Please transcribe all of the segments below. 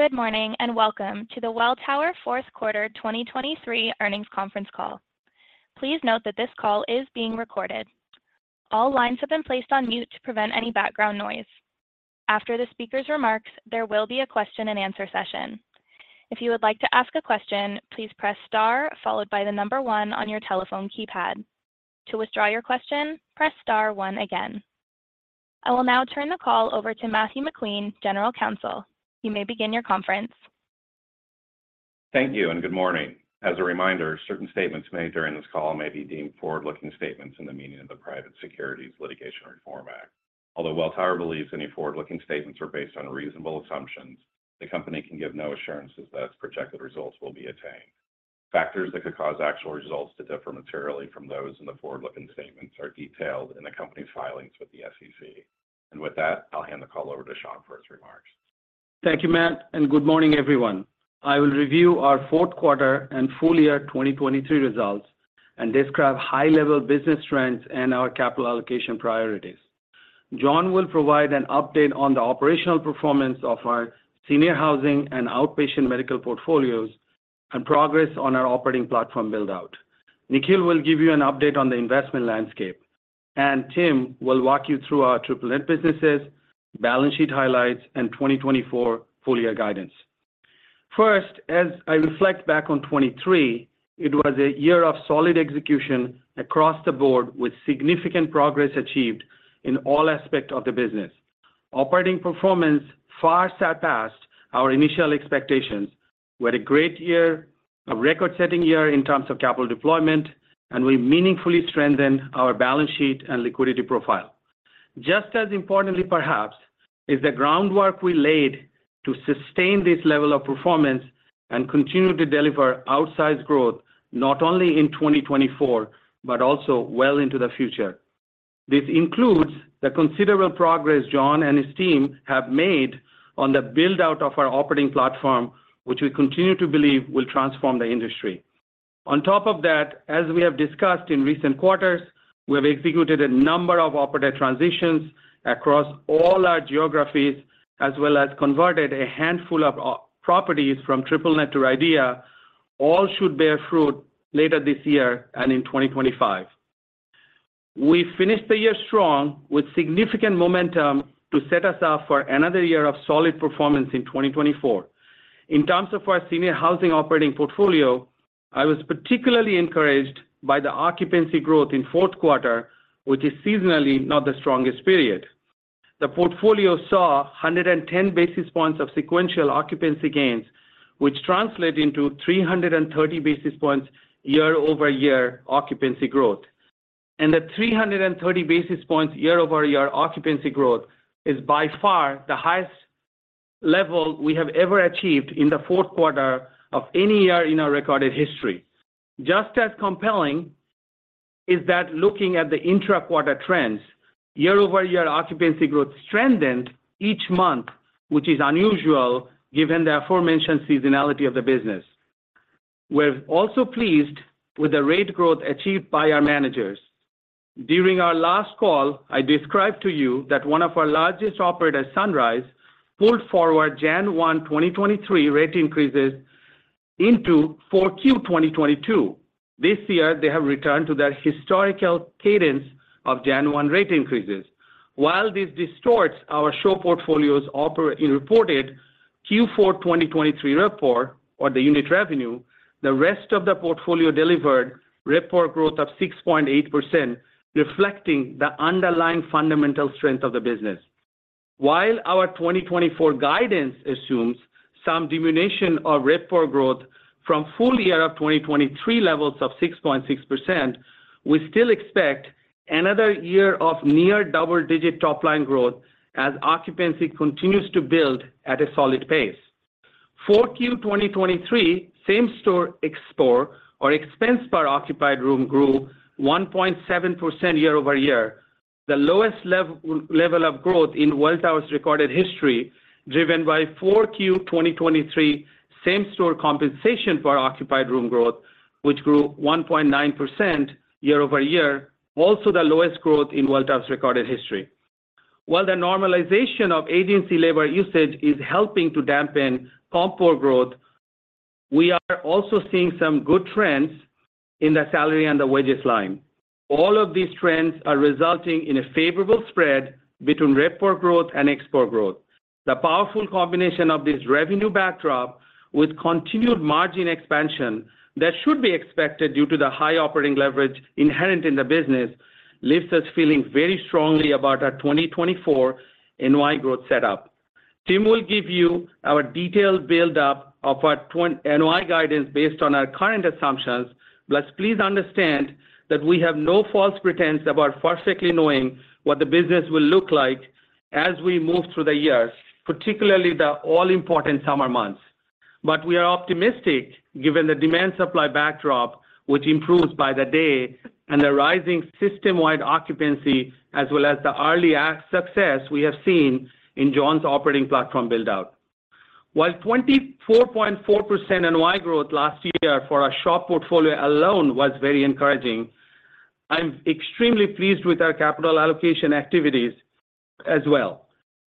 Good morning and welcome to the Welltower fourth quarter 2023 earnings conference call. Please note that this call is being recorded. All lines have been placed on mute to prevent any background noise. After the speaker's remarks, there will be a question-and-answer session. If you would like to ask a question, please press star followed by the number one on your telephone keypad. To withdraw your question, press star one again. I will now turn the call over to Matthew McQueen, General Counsel. You may begin your conference. Thank you and good morning. As a reminder, certain statements made during this call may be deemed forward-looking statements in the meaning of the Private Securities Litigation Reform Act. Although Welltower believes any forward-looking statements are based on reasonable assumptions, the company can give no assurances that its projected results will be attained. Factors that could cause actual results to differ materially from those in the forward-looking statements are detailed in the company's filings with the SEC. With that, I'll hand the call over to Shankh for his remarks. Thank you, Matt, and good morning, everyone. I will review our fourth quarter and full year 2023 results and describe high-level business trends and our capital allocation priorities. John will provide an update on the operational performance of Senior Housing and outpatient medical portfolios and progress on our operating platform buildout. Nikhil will give you an update on the investment landscape, and Tim will walk you through our triple-net businesses, balance sheet highlights, and 2024 full year guidance. First, as I reflect back on '23, it was a year of solid execution across the board with significant progress achieved in all aspects of the business. Operating performance far surpassed our initial expectations. We had a great year, a record-setting year in terms of capital deployment, and we meaningfully strengthened our balance sheet and liquidity profile. Just as importantly, perhaps, is the groundwork we laid to sustain this level of performance and continue to deliver outsized growth not only in 2024 but also well into the future. This includes the considerable progress John and his team have made on the buildout of our operating platform, which we continue to believe will transform the industry. On top of that, as we have discussed in recent quarters, we have executed a number of operator transitions across all our geographies as well as converted a handful of properties from triple-net to RIDEA, all should bear fruit later this year and in 2025. We finished the year strong with significant momentum to set us up for another year of solid performance in Senior Housing Operating Portfolio, i was particularly encouraged by the occupancy growth in fourth quarter, which is seasonally not the strongest period. The portfolio saw 110 basis points of sequential occupancy gains, which translate into 330 basis points year-over-year occupancy growth. The 330 basis points year-over-year occupancy growth is by far the highest level we have ever achieved in the fourth quarter of any year in our recorded history. Just as compelling is that looking at the intra-quarter trends, year-over-year occupancy growth strengthened each month, which is unusual given the aforementioned seasonality of the business. We're also pleased with the rate growth achieved by our managers. During our last call, I described to you that one of our largest operators, Sunrise, pulled forward January 1, 2023 rate increases into 4Q 2022. This year, they have returned to their historical cadence of January 1 rate increases. While this distorts our SHOP portfolio's reported Q4 2023 RevPOR, the unit revenue, the rest of the portfolio delivered RevPOR growth of 6.8%, reflecting the underlying fundamental strength of the business. While our 2024 guidance assumes some diminution of RevPOR growth from full year of 2023 levels of 6.6%, we still expect another year of near double-digit top-line growth as occupancy continues to build at a solid pace. 4Q 2023 same-store ExpPOR, expense per occupied room, grew 1.7% year-over-year, the lowest level of growth in Welltower's recorded history, driven by 4Q 2023 same-store compensation per occupied room growth, which grew 1.9% year-over-year, also the lowest growth in Welltower's recorded history. While the normalization of agency labor usage is helping to dampen ExpPOR growth, we are also seeing some good trends in the salary and the wages line. All of these trends are resulting in a favorable spread between RevPOR growth and expense growth. The powerful combination of this revenue backdrop with continued margin expansion that should be expected due to the high operating leverage inherent in the business leaves us feeling very strongly about our 2024 NOI growth setup. Tim will give you our detailed buildup of our NOI guidance based on our current assumptions. Plus, please understand that we have no false pretense about perfectly knowing what the business will look like as we move through the years, particularly the all-important summer months. But we are optimistic given the demand-supply backdrop, which improves by the day and the rising system-wide occupancy as well as the early success we have seen in John's operating platform buildout. While 24.4% NOI growth last year for our SHOP portfolio alone was very encouraging, I'm extremely pleased with our capital allocation activities as well.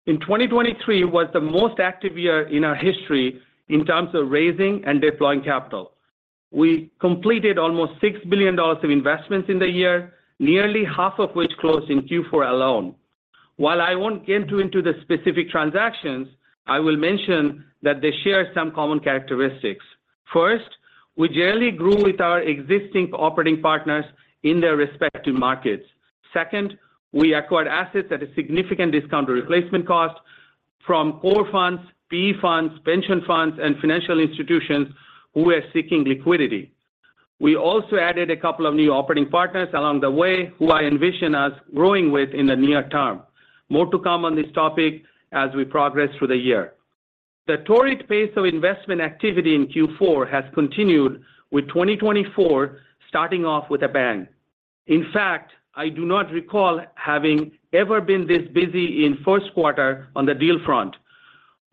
In 2023 was the most active year in our history in terms of raising and deploying capital. We completed almost $6 billion of investments in the year, nearly half of which closed in Q4 alone. While I won't get into the specific transactions, I will mention that they share some common characteristics. First, we generally grew with our existing operating partners in their respective markets. Second, we acquired assets at a significant discounted replacement cost from core funds, PE funds, pension funds, and financial institutions who were seeking liquidity. We also added a couple of new operating partners along the way who I envision us growing with in the near term. More to come on this topic as we progress through the year. The torrid pace of investment activity in Q4 has continued with 2024 starting off with a bang. In fact, I do not recall having ever been this busy in first quarter on the deal front.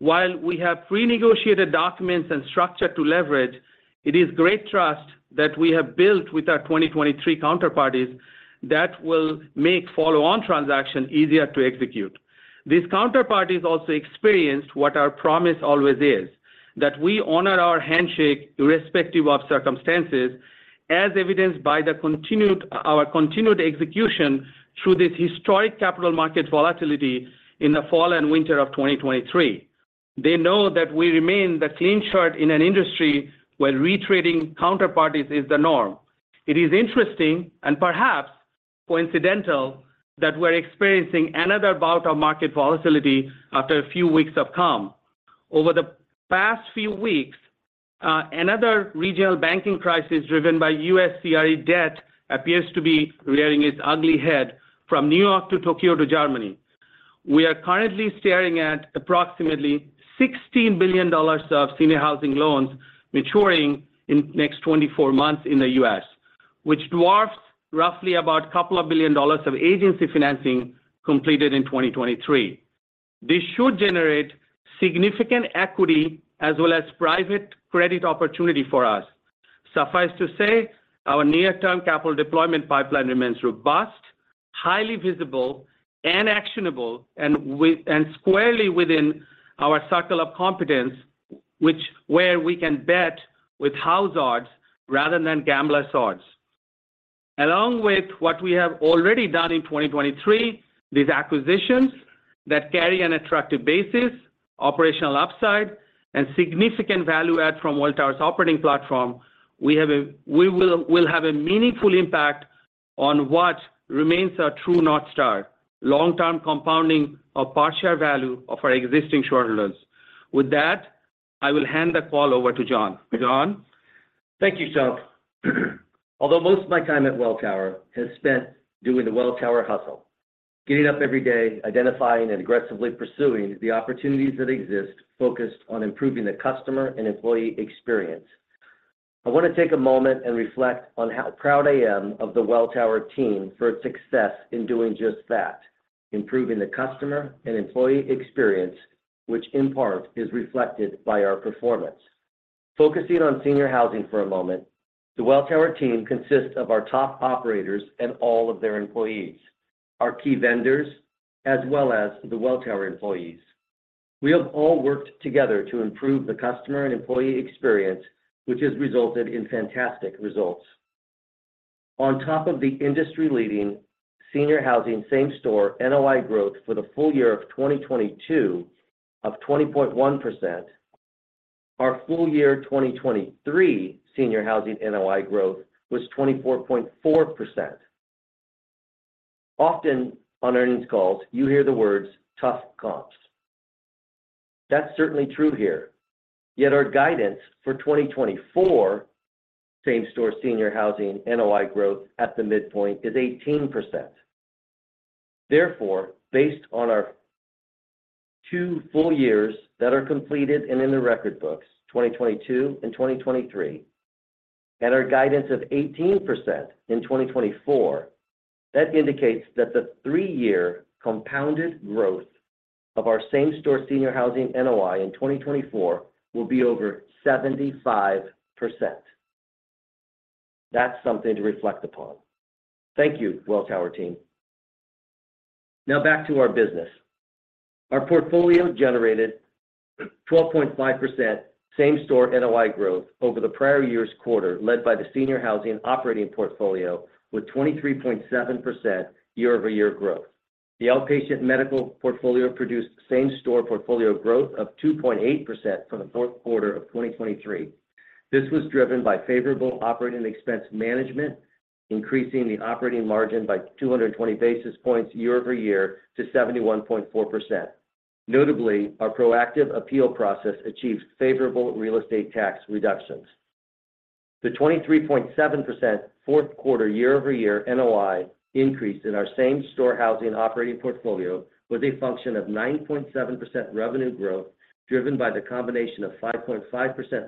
While we have pre-negotiated documents and structure to leverage, it is great trust that we have built with our 2023 counterparties that will make follow-on transactions easier to execute. These counterparties also experienced what our promise always is, that we honor our handshake irrespective of circumstances, as evidenced by our continued execution through this historic capital market volatility in the fall and winter of 2023. They know that we remain the clean shirt in an industry where retrading counterparties is the norm. It is interesting and perhaps coincidental that we're experiencing another bout of market volatility after a few weeks have come. Over the past few weeks, another regional banking crisis driven by U.S. CRE debt appears to be rearing its ugly head from New York to Tokyo to Germany. We are currently staring at approximately $16 billion Senior Housing loans maturing in the next 24 months in the U.S., which dwarfs roughly about $2 billion of agency financing completed in 2023. This should generate significant equity as well as private credit opportunity for us. Suffice to say, our near-term capital deployment pipeline remains robust, highly visible, and actionable, and squarely within our circle of competence, where we can bet with house odds rather than gambler's odds. Along with what we have already done in 2023, these acquisitions that carry an attractive basis, operational upside, and significant value add from Welltower's operating platform, we will have a meaningful impact on what remains our true North Star, long-term compounding of partial value of our existing shareholders. With that, I will hand the call over to John. John. Thank you, Shankh. Although most of my time at Welltower has spent doing the Welltower hustle, getting up every day, identifying and aggressively pursuing the opportunities that exist focused on improving the customer and employee experience, I want to take a moment and reflect on how proud I am of the Welltower team for its success in doing just that, improving the customer and employee experience, which in part is reflected by our performance. Focusing Senior Housing for a moment, the Welltower team consists of our top operators and all of their employees, our key vendors, as well as the Welltower employees. We have all worked together to improve the customer and employee experience, which has resulted in fantastic results. On top of the Senior Housing same-store NOI growth for the full year of 2022 of 20.1%, our full year Senior Housing NOI growth was 24.4%. Often on earnings calls, you hear the words "tough comps." That's certainly true here. Yet our guidance for 2024 Senior Housing NOI growth at the midpoint is 18%. Therefore, based on our two full years that are completed and in the record books, 2022 and 2023, and our guidance of 18% in 2024, that indicates that the three-year compounded growth of our Senior Housing NOI in 2024 will be over 75%. That's something to reflect upon. Thank you, Welltower team. Now back to our business. Our portfolio generated 12.5% same-store NOI growth over the prior Senior Housing Operating Portfolio with 23.7% year-over-year growth. the outpatient medical portfolio produced same-store NOI growth of 2.8% for the fourth quarter of 2023. This was driven by favorable operating expense management, increasing the operating margin by 220 basis points year-over-year to 71.4%. Notably, our proactive appeal process achieved favorable real estate tax reductions. The 23.7% fourth quarter year-over-year NOI increase in our same-store housing operating portfolio was a function of 9.7% revenue growth driven by the combination of 5.5%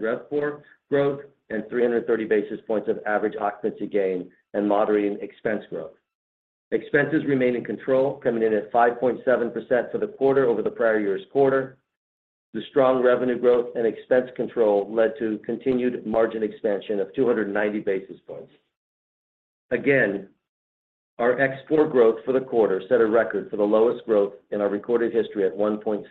RevPOR growth and 330 basis points of average occupancy gain and moderating expense growth. Expenses remained in control, coming in at 5.7% for the quarter over the prior year's quarter. The strong revenue growth and expense control led to continued margin expansion of 290 basis points. Again, our ExpPOR growth for the quarter set a record for the lowest growth in our recorded history at 1.7%.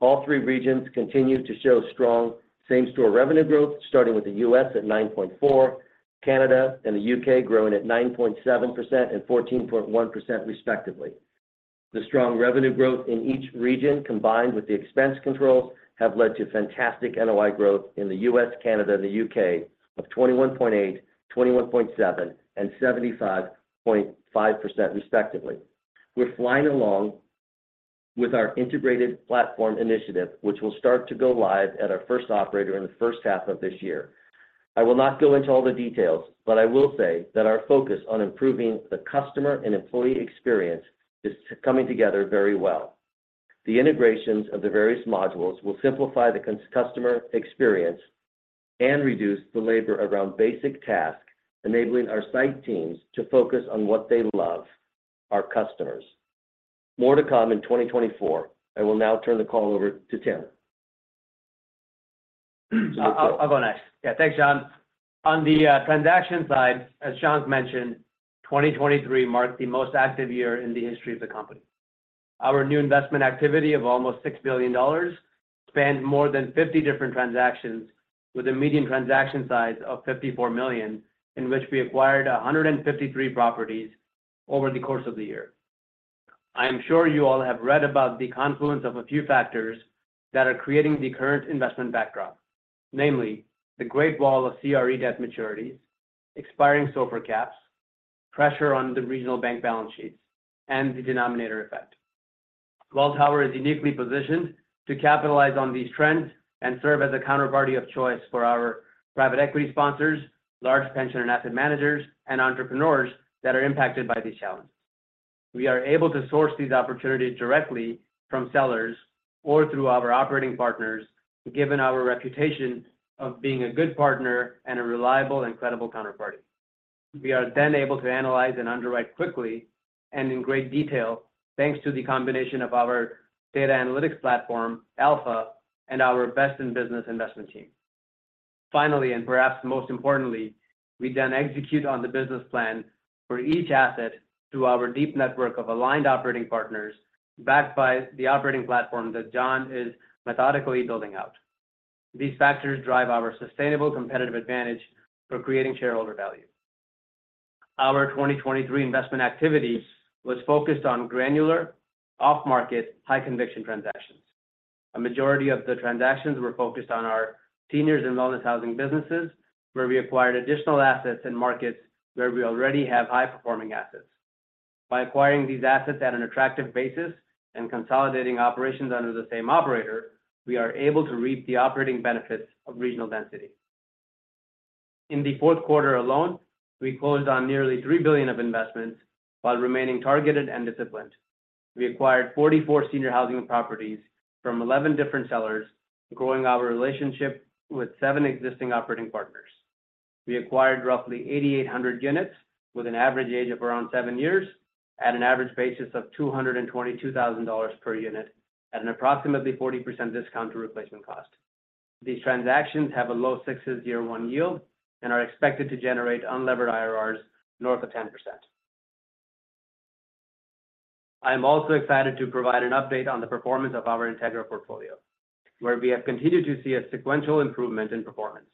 All three regions continue to show strong same-store revenue growth, starting with the U.S. at 9.4%, Canada and the U.K. growing at 9.7% and 14.1% respectively. The strong revenue growth in each region, combined with the expense controls, have led to fantastic NOI growth in the U.S., Canada, and the U.K. of 21.8%, 21.7%, and 75.5% respectively. We're flying along with our integrated platform initiative, which will start to go live at our first operator in the first half of this year. I will not go into all the details, but I will say that our focus on improving the customer and employee experience is coming together very well. The integrations of the various modules will simplify the customer experience and reduce the labor around basic tasks, enabling our site teams to focus on what they love, our customers. More to come in 2024. I will now turn the call over to Tim. I'll go next. Yeah. Thanks, John. On the transaction side, as Shankh mentioned, 2023 marked the most active year in the history of the company. Our new investment activity of almost $6 billion spanned more than 50 different transactions with a median transaction size of $54 million, in which we acquired 153 properties over the course of the year. I am sure you all have read about the confluence of a few factors that are creating the current investment backdrop, namely the Great Wall of CRE debt maturities, expiring SOFR caps, pressure on the regional bank balance sheets, and the denominator effect. Welltower is uniquely positioned to capitalize on these trends and serve as a counterparty of choice for our private equity sponsors, large pension and asset managers, and entrepreneurs that are impacted by these challenges. We are able to source these opportunities directly from sellers or through our operating partners, given our reputation of being a good partner and a reliable and credible counterparty. We are then able to analyze and underwrite quickly and in great detail, thanks to the combination of our data analytics platform, Alpha, and our best-in-business investment team. Finally, and perhaps most importantly, we then execute on the business plan for each asset through our deep network of aligned operating partners backed by the operating platform that John is methodically building out. These factors drive our sustainable competitive advantage for creating shareholder value. Our 2023 investment activities was focused on granular, off-market, high-conviction transactions. A majority of the transactions were focused on our seniors and wellness housing businesses, where we acquired additional assets in markets where we already have high-performing assets. By acquiring these assets at an attractive basis and consolidating operations under the same operator, we are able to reap the operating benefits of regional density. In the fourth quarter alone, we closed on nearly $3 billion of investments while remaining targeted and disciplined. We acquired Senior Housing properties from 11 different sellers, growing our relationship with seven existing operating partners. We acquired roughly 8,800 units with an average age of around seven years, at an average basis of $222,000 per unit, at an approximately 40% discount to replacement cost. These transactions have a low-6% year-one yield and are expected to generate unlevered IRRs north of 10%. I am also excited to provide an update on the performance of our Integra portfolio, where we have continued to see a sequential improvement in performance.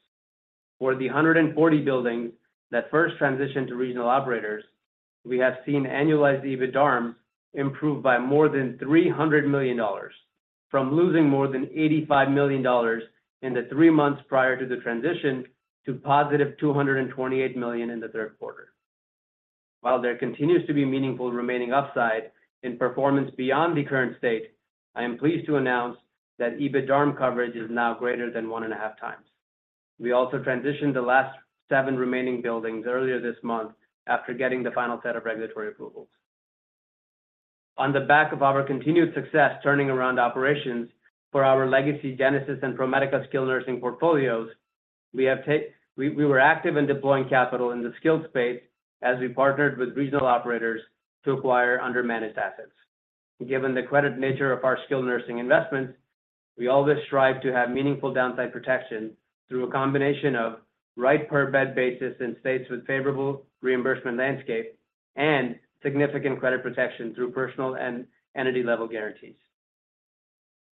For the 140 buildings that first transitioned to regional operators, we have seen annualized EBITDARM improve by more than $300 million, from losing more than $85 million in the three months prior to the transition to positive $228 million in the third quarter. While there continues to be meaningful remaining upside in performance beyond the current state, I am pleased to announce that EBITDARM coverage is now greater than 1.5x. We also transitioned the last seven remaining buildings earlier this month after getting the final set of regulatory approvals. On the back of our continued success turning around operations for our legacy Genesis and ProMedica skilled nursing portfolios, we were active in deploying capital in the skilled space as we partnered with regional operators to acquire under-managed assets. Given the credit nature of our skilled nursing investments, we always strive to have meaningful downside protection through a combination of right-per-bed basis in states with favorable reimbursement landscape and significant credit protection through personal and entity-level guarantees.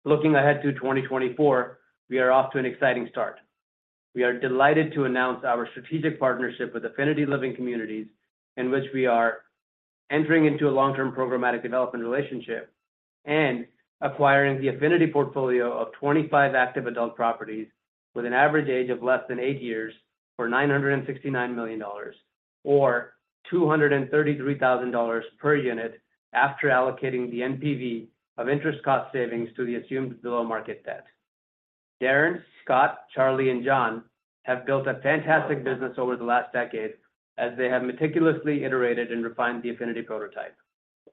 Looking ahead to 2024, we are off to an exciting start. We are delighted to announce our strategic partnership with Affinity Living Communities, in which we are entering into a long-term programmatic development relationship and acquiring the Affinity portfolio of 25 active adult properties with an average age of less than eight years for $969 million or $233,000 per unit after allocating the NPV of interest cost savings to the assumed below-market debt. Darin, Scott, Charlie, and John have built a fantastic business over the last decade as they have meticulously iterated and refined the Affinity prototype.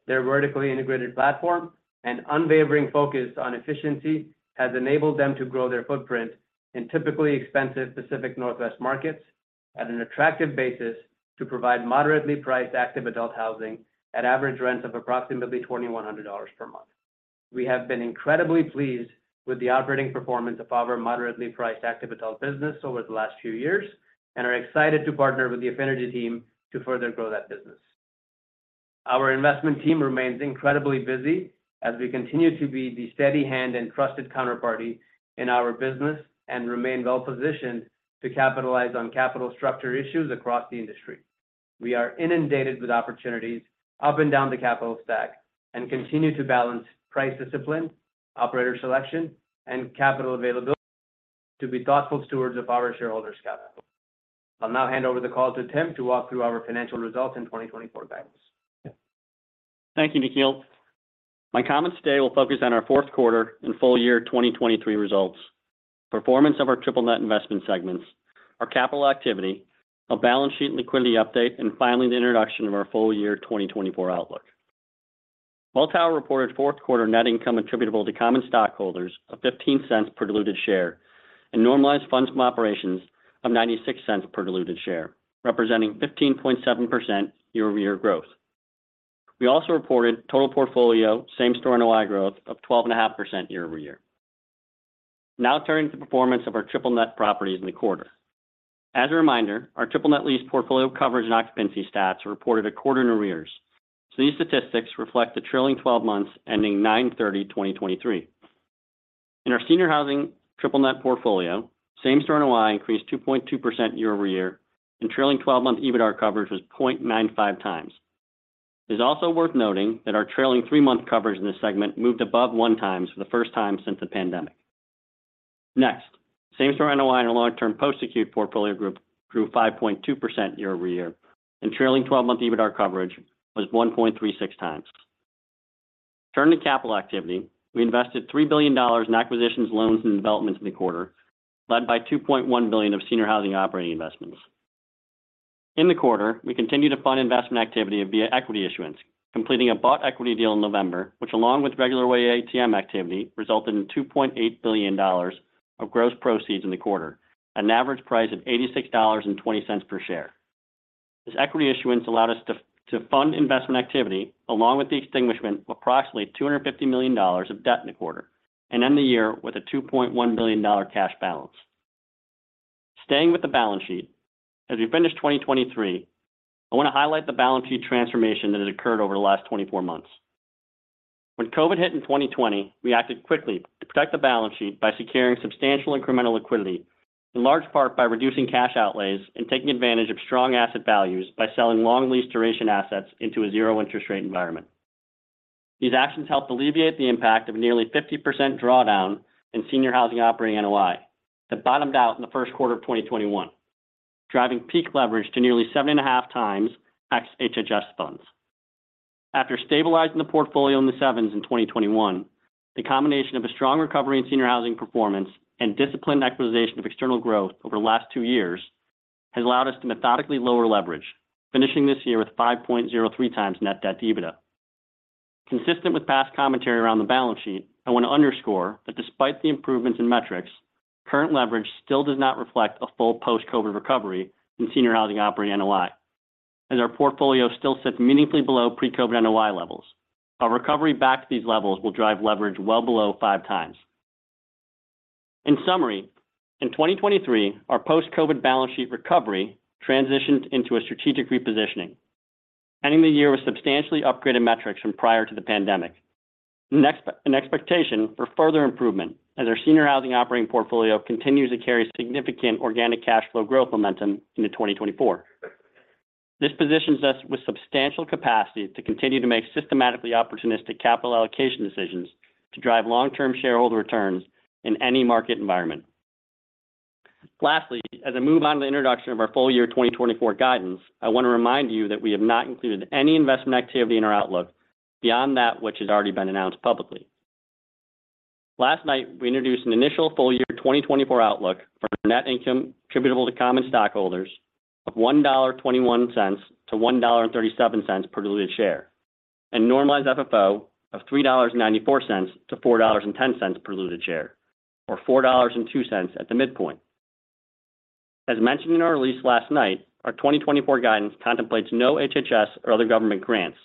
Their vertically integrated platform and unwavering focus on efficiency has enabled them to grow their footprint in typically expensive Pacific Northwest markets at an attractive basis to provide moderately priced active adult housing at average rents of approximately $2,100 per month. We have been incredibly pleased with the operating performance of our moderately priced active adult business over the last few years and are excited to partner with the Affinity team to further grow that business. Our investment team remains incredibly busy as we continue to be the steady hand and trusted counterparty in our business and remain well-positioned to capitalize on capital structure issues across the industry. We are inundated with opportunities up and down the capital stack and continue to balance price discipline, operator selection, and capital availability to be thoughtful stewards of our shareholders' capital. I'll now hand over the call to Tim to walk through our financial results and 2024 guidance. Thank you, Nikhil. My comments today will focus on our fourth quarter and full year 2023 results, performance of our triple net investment segments, our capital activity, a balance sheet liquidity update, and finally the introduction of our full year 2024 outlook. Welltower reported fourth quarter net income attributable to common stockholders of $0.15 per diluted share and normalized funds from operations of $0.96 per diluted share, representing 15.7% year-over-year growth. We also reported total portfolio same-store NOI growth of 12.5% year-over-year. Now turning to performance of our triple net properties in the quarter. As a reminder, our triple net lease portfolio coverage and occupancy stats reported a quarter in arrears, so these statistics reflect the trailing 12 months ending 09/30/2023. In Senior Housing triple net portfolio, same-store NOI increased 2.2% year-over-year, and trailing 12-month EBITDAR coverage was 0.95x. It is also worth noting that our trailing 3-month coverage in this segment moved above 1x for the first time since the pandemic. Next, same-store NOI in a long-term post-acute portfolio group grew 5.2% year-over-year, and trailing 12-month EBITDAR coverage was 1.36x. Turning to capital activity, we invested $3 billion in acquisitions, loans, and developments in the quarter, led by $2.1 billion Senior Housing operating investments. In the quarter, we continue to fund investment activity via equity issuance, completing a bought equity deal in November, which, along with regular way ATM activity, resulted in $2.8 billion of gross proceeds in the quarter, at an average price of $86.20 per share. This equity issuance allowed us to fund investment activity along with the extinguishment of approximately $250 million of debt in the quarter and end the year with a $2.1 billion cash balance. Staying with the balance sheet, as we finish 2023, I want to highlight the balance sheet transformation that has occurred over the last 24 months. When COVID hit in 2020, we acted quickly to protect the balance sheet by securing substantial incremental liquidity, in large part by reducing cash outlays and taking advantage of strong asset values by selling long-leased duration assets into a zero-interest rate environment. These actions helped alleviate the impact of a nearly 50% drawdown Senior Housing operating NOI that bottomed out in the first quarter of 2021, driving peak leverage to nearly 7.5x ex-HHS funds. After stabilizing the portfolio in the sevens in 2021, the combination of a strong recovery Senior Housing performance and disciplined equitization of external growth over the last two years has allowed us to methodically lower leverage, finishing this year with 5.03x net debt EBITDA. Consistent with past commentary around the balance sheet, I want to underscore that despite the improvements in metrics, current leverage still does not reflect a full post-COVID recovery Senior Housing operating NOI, as our portfolio still sits meaningfully below pre-COVID NOI levels. A recovery back to these levels will drive leverage well below 5x. In summary, in 2023, our post-COVID balance sheet recovery transitioned into a strategic repositioning, ending the year with substantially upgraded metrics from prior to the pandemic and expectation Senior Housing Operating Portfolio continues to carry significant organic cash flow growth momentum into 2024. This positions us with substantial capacity to continue to make systematically opportunistic capital allocation decisions to drive long-term shareholder returns in any market environment. Lastly, as I move on to the introduction of our full year 2024 guidance, I want to remind you that we have not included any investment activity in our outlook beyond that which has already been announced publicly. Last night, we introduced an initial full year 2024 outlook for net income attributable to common stockholders of $1.21-$1.37 per diluted share and normalized FFO of $3.94-$4.10 per diluted share, or $4.02 at the midpoint. As mentioned in our release last night, our 2024 guidance contemplates no HHS or other government grants,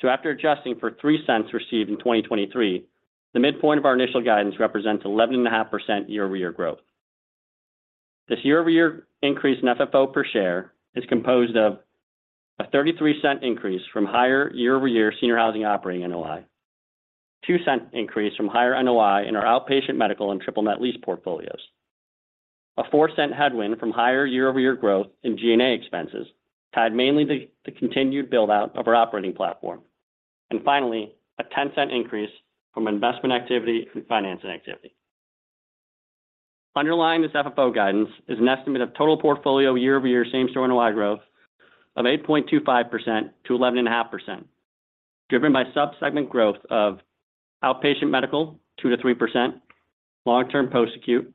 so after adjusting for $0.03 received in 2023, the midpoint of our initial guidance represents 11.5% year-over-year growth. This year-over-year increase in FFO per share is composed of a $0.33 increase from higher Senior Housing operating NOI, a $0.02 increase from higher NOI in our outpatient medical and triple net lease portfolios, a $0.04 headwind from higher year-over-year growth in G&A expenses tied mainly to the continued buildout of our operating platform, and finally, a $0.10 increase from investment activity through financing activity. Underlying this FFO guidance is an estimate of total portfolio year-over-year same-store NOI growth of 8.25%-11.5%, driven by subsegment growth of outpatient medical 2%-3%, long-term post-acute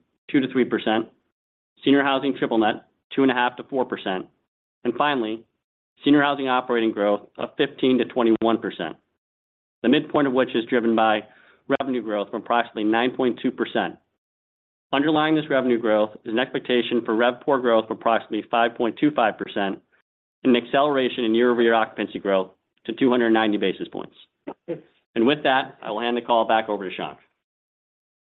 Senior Housing triple net 2.5%-4%, and Senior Housing operating growth of 15%-21%, the midpoint of which is driven by revenue growth from approximately 9.2%. Underlying this revenue growth is an expectation for RevPOR growth from approximately 5.25% and an acceleration in year-over-year occupancy growth to 290 basis points. With that, I will hand the call back over to Shankh.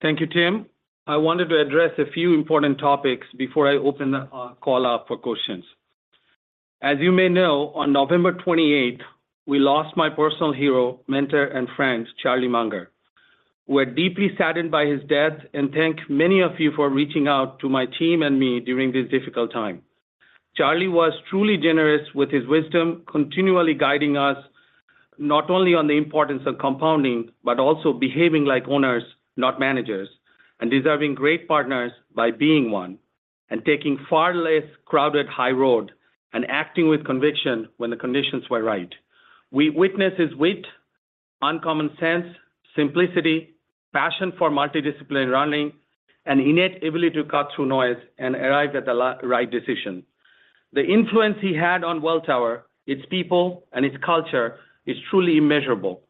Thank you, Tim. I wanted to address a few important topics before I open the call up for questions. As you may know, on November 28th, we lost my personal hero, mentor, and friend, Charlie Munger. We are deeply saddened by his death and thank many of you for reaching out to my team and me during this difficult time. Charlie was truly generous with his wisdom, continually guiding us not only on the importance of compounding but also behaving like owners, not managers, and deserving great partners by being one and taking far less crowded high road and acting with conviction when the conditions were right. We witnessed his wit, uncommon sense, simplicity, passion for multidisciplinary running, and innate ability to cut through noise and arrive at the right decision. The influence he had on Welltower, its people, and its culture is truly immeasurable.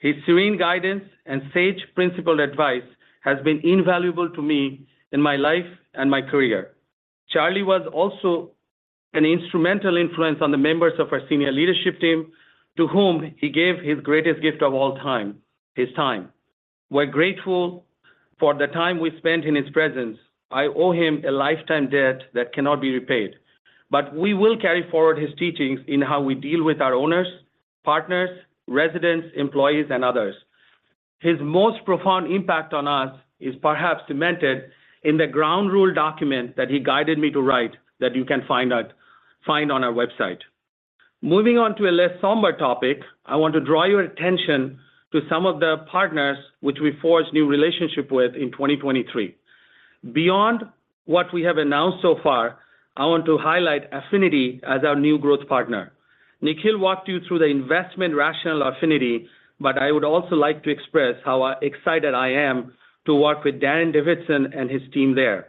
His serene guidance and sage principled advice has been invaluable to me in my life and my career. Charlie was also an instrumental influence on the members of our senior leadership team, to whom he gave his greatest gift of all time, his time. We're grateful for the time we spent in his presence. I owe him a lifetime debt that cannot be repaid. But we will carry forward his teachings in how we deal with our owners, partners, residents, employees, and others. His most profound impact on us is perhaps cemented in the ground rule document that he guided me to write that you can find on our website. Moving on to a less somber topic, I want to draw your attention to some of the partners which we forged new relationships with in 2023. Beyond what we have announced so far, I want to highlight Affinity as our new growth partner. Nikhil walked you through the investment rationale of Affinity, but I would also like to express how excited I am to work with Darin Davidson and his team there.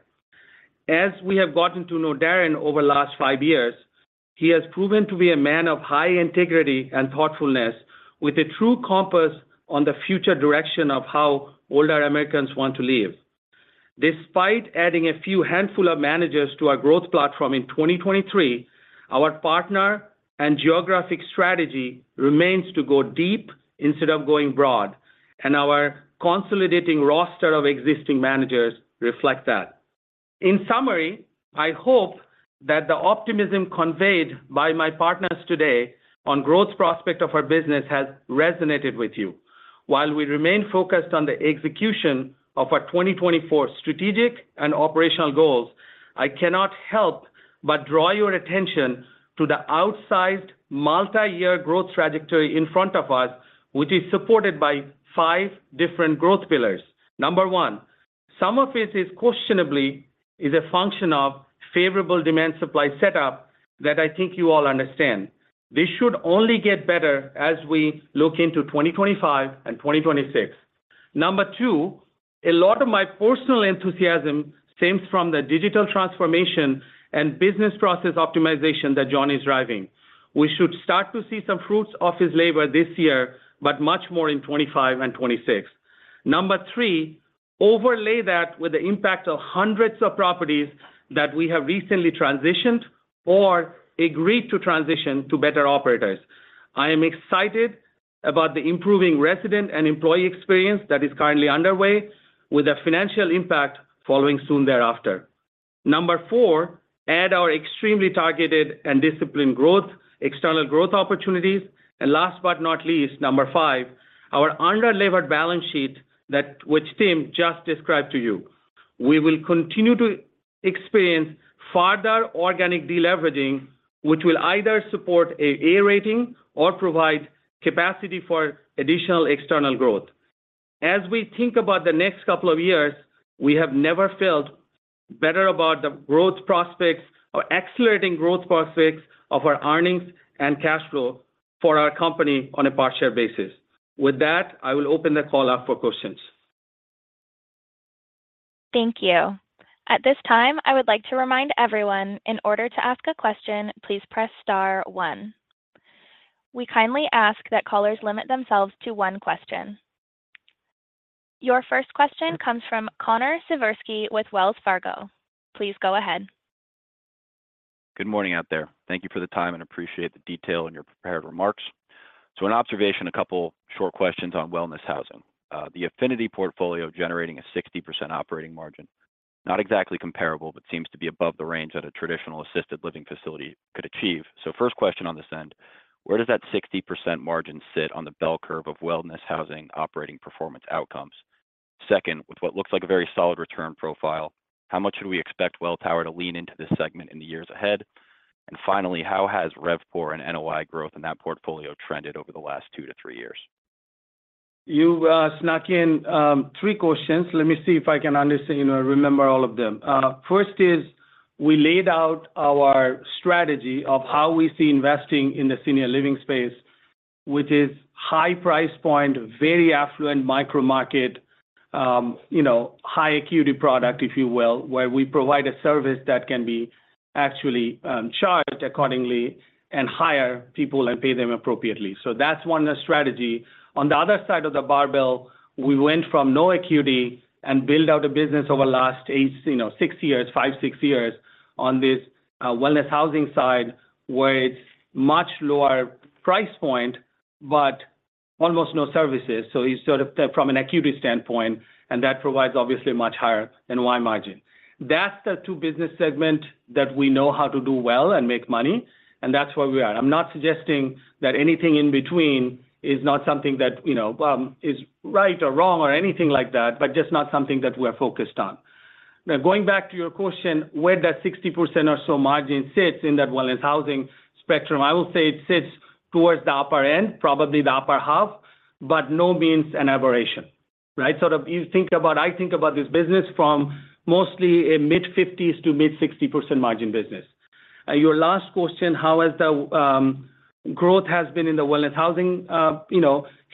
As we have gotten to know Darin over the last five years, he has proven to be a man of high integrity and thoughtfulness with a true compass on the future direction of how older Americans want to live. Despite adding a few handful of managers to our growth platform in 2023, our partner and geographic strategy remains to go deep instead of going broad, and our consolidating roster of existing managers reflect that. In summary, I hope that the optimism conveyed by my partners today on the growth prospect of our business has resonated with you. While we remain focused on the execution of our 2024 strategic and operational goals, I cannot help but draw your attention to the outsized multi-year growth trajectory in front of us, which is supported by five different growth pillars. Number one, some of it is questionably a function of a favorable demand-supply setup that I think you all understand. This should only get better as we look into 2025 and 2026. Number two, a lot of my personal enthusiasm stems from the digital transformation and business process optimization that John is driving. We should start to see some fruits of his labor this year, but much more in 2025 and 2026. Number three, overlay that with the impact of hundreds of properties that we have recently transitioned or agreed to transition to better operators. I am excited about the improving resident and employee experience that is currently underway with a financial impact following soon thereafter. Number four, add our extremely targeted and disciplined growth, external growth opportunities. And last but not least, number five, our underlevered balance sheet which Tim just described to you. We will continue to experience further organic deleveraging, which will either support an A rating or provide capacity for additional external growth. As we think about the next couple of years, we have never felt better about the growth prospects or accelerating growth prospects of our earnings and cash flow for our company on a partial basis. With that, I will open the call up for questions. Thank you. At this time, I would like to remind everyone, in order to ask a question, please press star one. We kindly ask that callers limit themselves to one question. Your first question comes from Connor Siversky with Wells Fargo. Please go ahead. Good morning out there. Thank you for the time, and I appreciate the detail in your prepared remarks. An observation, a couple short questions on wellness housing. The Affinity portfolio generating a 60% operating margin, not exactly comparable, but seems to be above the range that a traditional assisted living facility could achieve. First question on this end: where does that 60% margin sit on the bell curve of wellness housing operating performance outcomes? Second, with what looks like a very solid return profile, how much should we expect Welltower to lean into this segment in the years ahead? And finally, how has RevPOR and NOI growth in that portfolio trended over the last two to three years? You snuck in three questions. Let me see if I can remember all of them. First is, we laid out our strategy of how we see investing in the senior living space, which is high price point, very affluent micro market, high acuity product, if you will, where we provide a service that can be actually charged accordingly and hire people and pay them appropriately. So that's one strategy. On the other side of the barbell, we went from no acuity and built out a business over the last six years, five, six years on this wellness housing side where it's a much lower price point but almost no services. So it's sort of from an acuity standpoint, and that provides obviously a much higher NOI margin. That's the two business segments that we know how to do well and make money, and that's where we are. I'm not suggesting that anything in between is not something that is right or wrong or anything like that, but just not something that we are focused on. Now, going back to your question, where that 60% or so margin sits in that wellness housing spectrum, I will say it sits towards the upper end, probably the upper half, but by no means an aberration, right? Sort of you think about I think about this business from mostly a mid-50s% to mid-60% margin business. Your last question, how has the growth been in the wellness housing?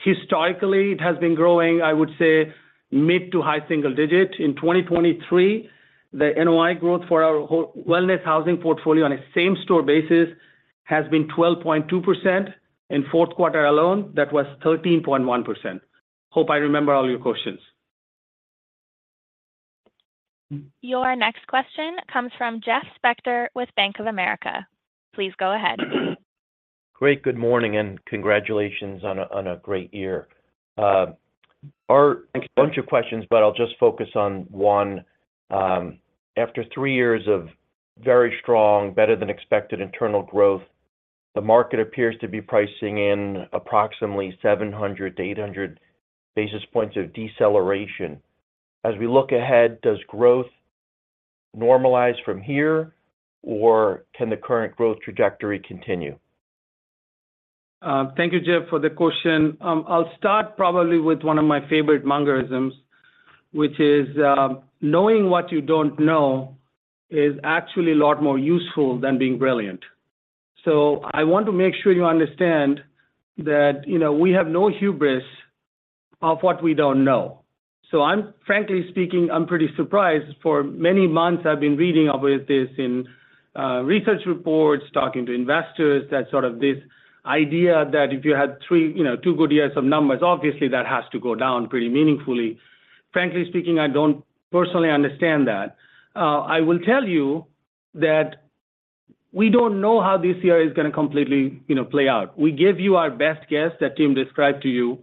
Historically, it has been growing, I would say, mid to high single digit. In 2023, the NOI growth for our wellness housing portfolio on a same-store basis has been 12.2%. In fourth quarter alone, that was 13.1%. Hope I remember all your questions. Your next question comes from Jeff Spector with Bank of America. Please go ahead. Great. Good morning and congratulations on a great year. Our bunch of questions, but I'll just focus on one. After three years of very strong, better-than-expected internal growth, the market appears to be pricing in approximately 700-800 basis points of deceleration. As we look ahead, does growth normalize from here, or can the current growth trajectory continue? Thank you, Jeff, for the question. I'll start probably with one of my favorite Mungerisms, which is knowing what you don't know is actually a lot more useful than being brilliant. So I want to make sure you understand that we have no hubris of what we don't know. So frankly speaking, I'm pretty surprised. For many months, I've been reading about this in research reports, talking to investors, that sort of this idea that if you had two good years of numbers, obviously, that has to go down pretty meaningfully. Frankly speaking, I don't personally understand that. I will tell you that we don't know how this year is going to completely play out. We give you our best guess that Tim described to you.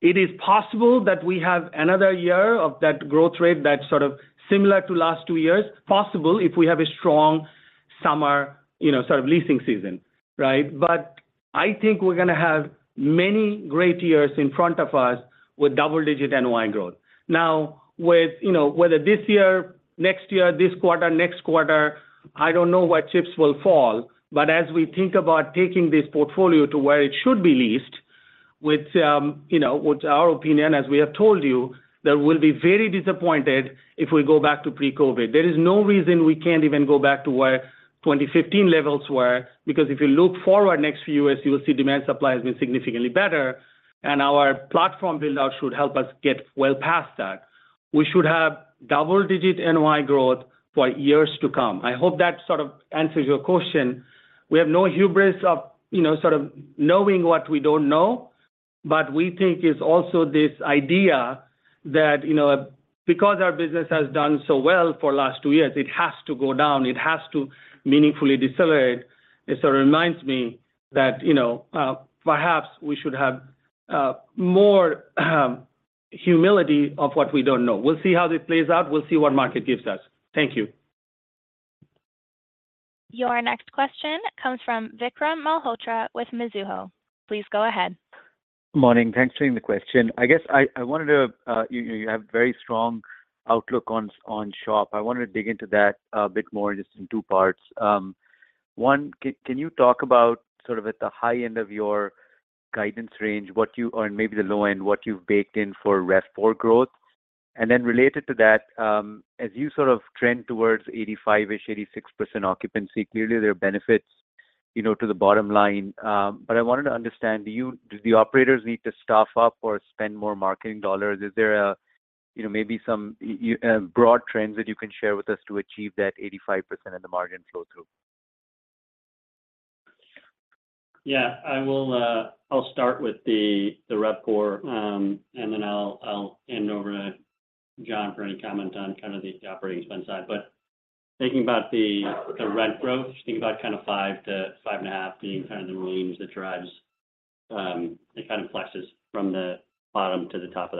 It is possible that we have another year of that growth rate that's sort of similar to last two years, possible if we have a strong summer sort of leasing season, right? But I think we're going to have many great years in front of us with double-digit NOI growth. Now, whether this year, next year, this quarter, next quarter, I don't know where chips will fall. But as we think about taking this portfolio to where it should be leased, with our opinion, as we have told you, there will be very disappointed if we go back to pre-COVID. There is no reason we can't even go back to where 2015 levels were, because if you look forward next few years, you will see demand supply has been significantly better, and our platform buildout should help us get well past that. We should have double-digit NOI growth for years to come. I hope that sort of answers your question. We have no hubris of sort of knowing what we don't know, but we think it's also this idea that because our business has done so well for the last two years, it has to go down. It has to meaningfully decelerate. It sort of reminds me that perhaps we should have more humility of what we don't know. We'll see how this plays out. We'll see what market gives us. Thank you. Your next question comes from Vikram Malhotra with Mizuho. Please go ahead. Good morning. Thanks for the question. I guess I wanted to you have a very strong outlook on SHOP. I wanted to dig into that a bit more just in two parts. One, can you talk about sort of at the high end of your guidance range, or maybe the low end, what you've baked in for RevPOR growth? And then related to that, as you sort of trend towards 85%-ish, 86% occupancy, clearly, there are benefits to the bottom line. But I wanted to understand, do the operators need to staff up or spend more marketing dollars? Is there maybe some broad trends that you can share with us to achieve that 85% in the margin flow-through? Yeah. I'll start with the RevPOR, and then I'll hand over to John for any comment on kind of the operating spend side. But thinking about the rent growth, thinking about kind of 5-5.5 being kind of the range that drives it kind of flexes from the bottom to the top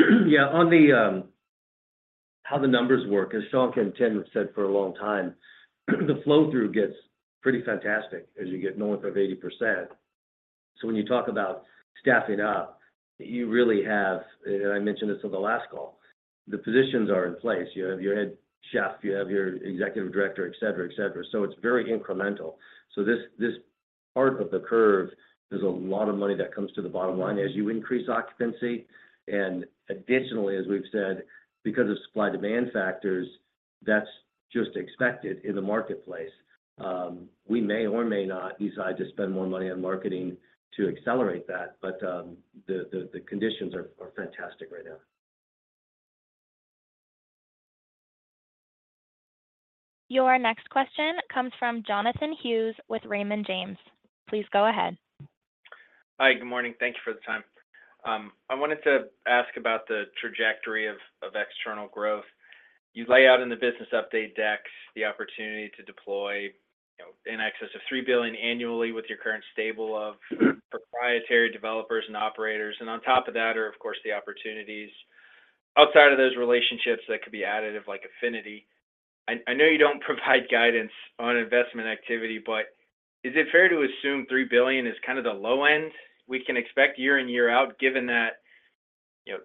of that range. Yeah. On how the numbers work, as Shankh and Tim have said for a long time, the flow-through gets pretty fantastic as you get north of 80%. So when you talk about staffing up, you really have and I mentioned this on the last call. The positions are in place. You have your head chef, you have your executive director, etc., etc. So it's very incremental. So this part of the curve is a lot of money that comes to the bottom line as you increase occupancy. And additionally, as we've said, because of supply-demand factors, that's just expected in the marketplace. We may or may not decide to spend more money on marketing to accelerate that, but the conditions are fantastic right now. Your next question comes from Jonathan Hughes with Raymond James. Please go ahead. Hi. Good morning. Thank you for the time. I wanted to ask about the trajectory of external growth. You lay out in the business update decks the opportunity to deploy an excess of $3 billion annually with your current stable of proprietary developers and operators. And on top of that are, of course, the opportunities outside of those relationships that could be additive like Affinity. I know you don't provide guidance on investment activity, but is it fair to assume $3 billion is kind of the low end we can expect year-on-year out given that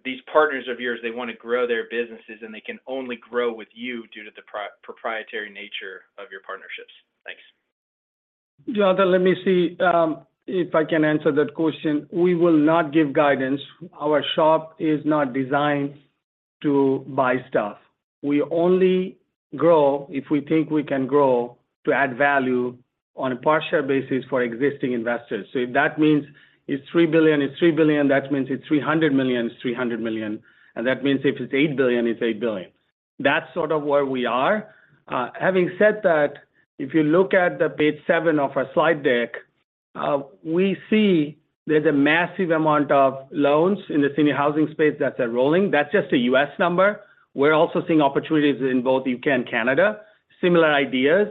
these partners of yours, they want to grow their businesses, and they can only grow with you due to the proprietary nature of your partnerships? Thanks. Jonathan, let me see if I can answer that question. We will not give guidance. Our shop is not designed to buy stuff. We only grow if we think we can grow to add value on a partial basis for existing investors. So if that means it's $3 billion, it's $3 billion. That means it's $300 million, it's $300 million. And that means if it's $8 billion, it's $8 billion. That's sort of where we are. Having said that, if you look at page seven of our slide deck, we see there's a massive amount of loans in Senior Housing space that's rolling. That's just a U.S. number. We're also seeing opportunities in both U.K. and Canada, similar ideas.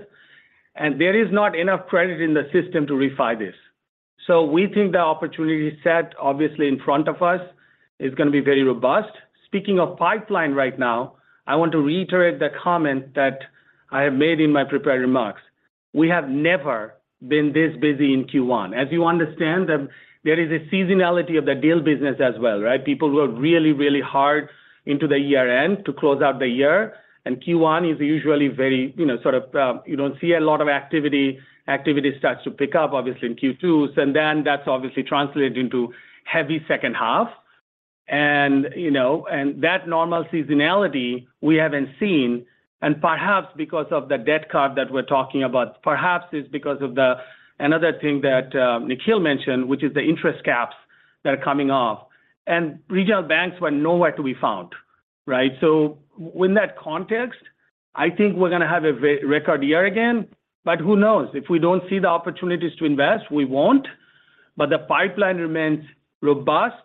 And there is not enough credit in the system to refinance this. So we think the opportunity set, obviously, in front of us is going to be very robust. Speaking of pipeline right now, I want to reiterate the comment that I have made in my prepared remarks. We have never been this busy in Q1. As you understand, there is a seasonality of the deal business as well, right? People work really, really hard into the year-end to close out the year. And Q1 is usually very sort of you don't see a lot of activity. Activity starts to pick up, obviously, in Q2. And then that's obviously translated into heavy second half. And that normal seasonality we haven't seen. And perhaps because of the debt cut that we're talking about, perhaps it's because of another thing that Nikhil mentioned, which is the interest caps that are coming off. And regional banks were nowhere to be found, right? So in that context, I think we're going to have a record year again. But who knows? If we don't see the opportunities to invest, we won't. But the pipeline remains robust,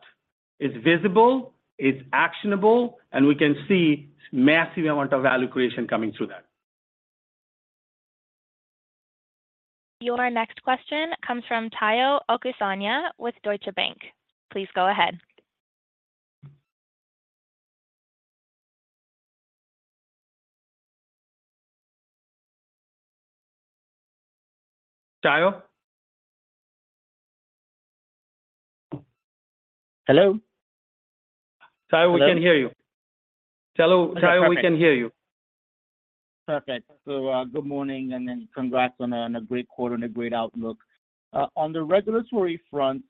it's visible, it's actionable, and we can see a massive amount of value creation coming through that. Your next question comes from Tayo Okusanya with Deutsche Bank. Please go ahead. Tayo? Hello. Tayo, we can hear you. Hello, Tayo, we can hear you. Perfect. So good morning, and then congrats on a great quarter and a great outlook. On the regulatory front,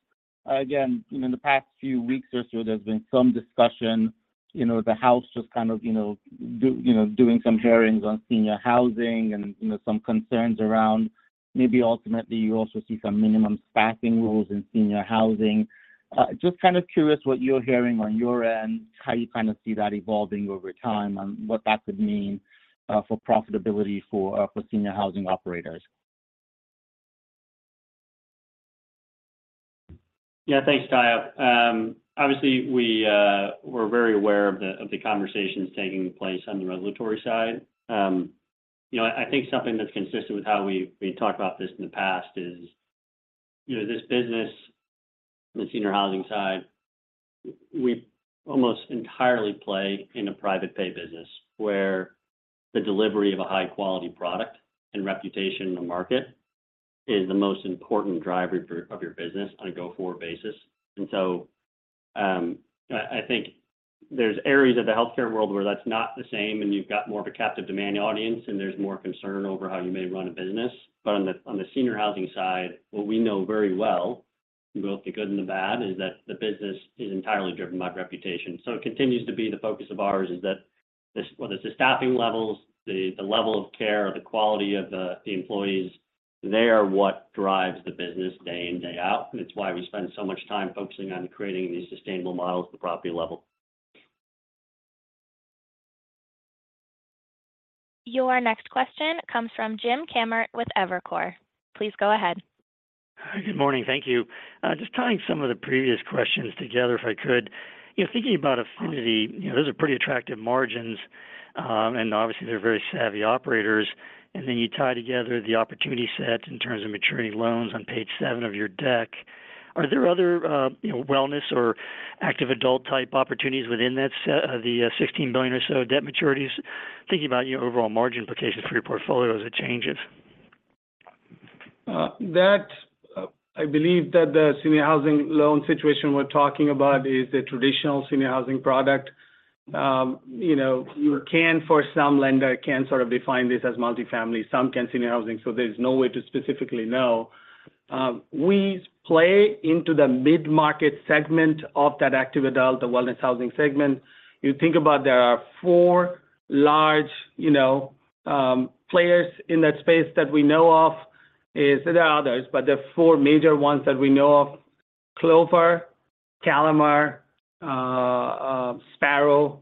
again, in the past few weeks or so, there's been some discussion. The House just kind of doing some hearings Senior Housing and some concerns around maybe ultimately, you also see some minimum staffing rules Senior Housing. just kind of curious what you're hearing on your end, how you kind of see that evolving over time, and what that could mean for profitability Senior Housing operators. Yeah. Thanks, Tayo. Obviously, we're very aware of the conversations taking place on the regulatory side. I think something that's consistent with how we talk about this in the past is this business, Senior Housing side, we almost entirely play in a private-pay business where the delivery of a high-quality product and reputation in the market is the most important driver of your business on a go-forward basis. And so I think there's areas of the healthcare world where that's not the same, and you've got more of a captive demand audience, and there's more concern over how you may run a business. But on Senior Housing side, what we know very well, both the good and the bad, is that the business is entirely driven by reputation. It continues to be the focus of ours is that whether it's the staffing levels, the level of care, or the quality of the employees, they are what drives the business day in, day out. It's why we spend so much time focusing on creating these sustainable models at the property level. Your next question comes from Jim Kammert with Evercore. Please go ahead. Good morning. Thank you. Just tying some of the previous questions together, if I could. Thinking about Affinity, those are pretty attractive margins, and obviously, they're very savvy operators. And then you tie together the opportunity set in terms of maturity loans on page seven of your deck. Are there other wellness or active adult-type opportunities within the $16 billion or so debt maturities, thinking about overall margin implications for your portfolio as it changes? That I believe that Senior Housing loan situation we're talking about is a Senior Housing product. You can, for some lender, sort of define this as multifamily. Some Senior Housing. so there's no way to specifically know. We play into the mid-market segment of that active adult, the wellness housing segment. You think about there are four large players in that space that we know of. There are others, but there are four major ones that we know of: Clover, Calamar, Sparrow,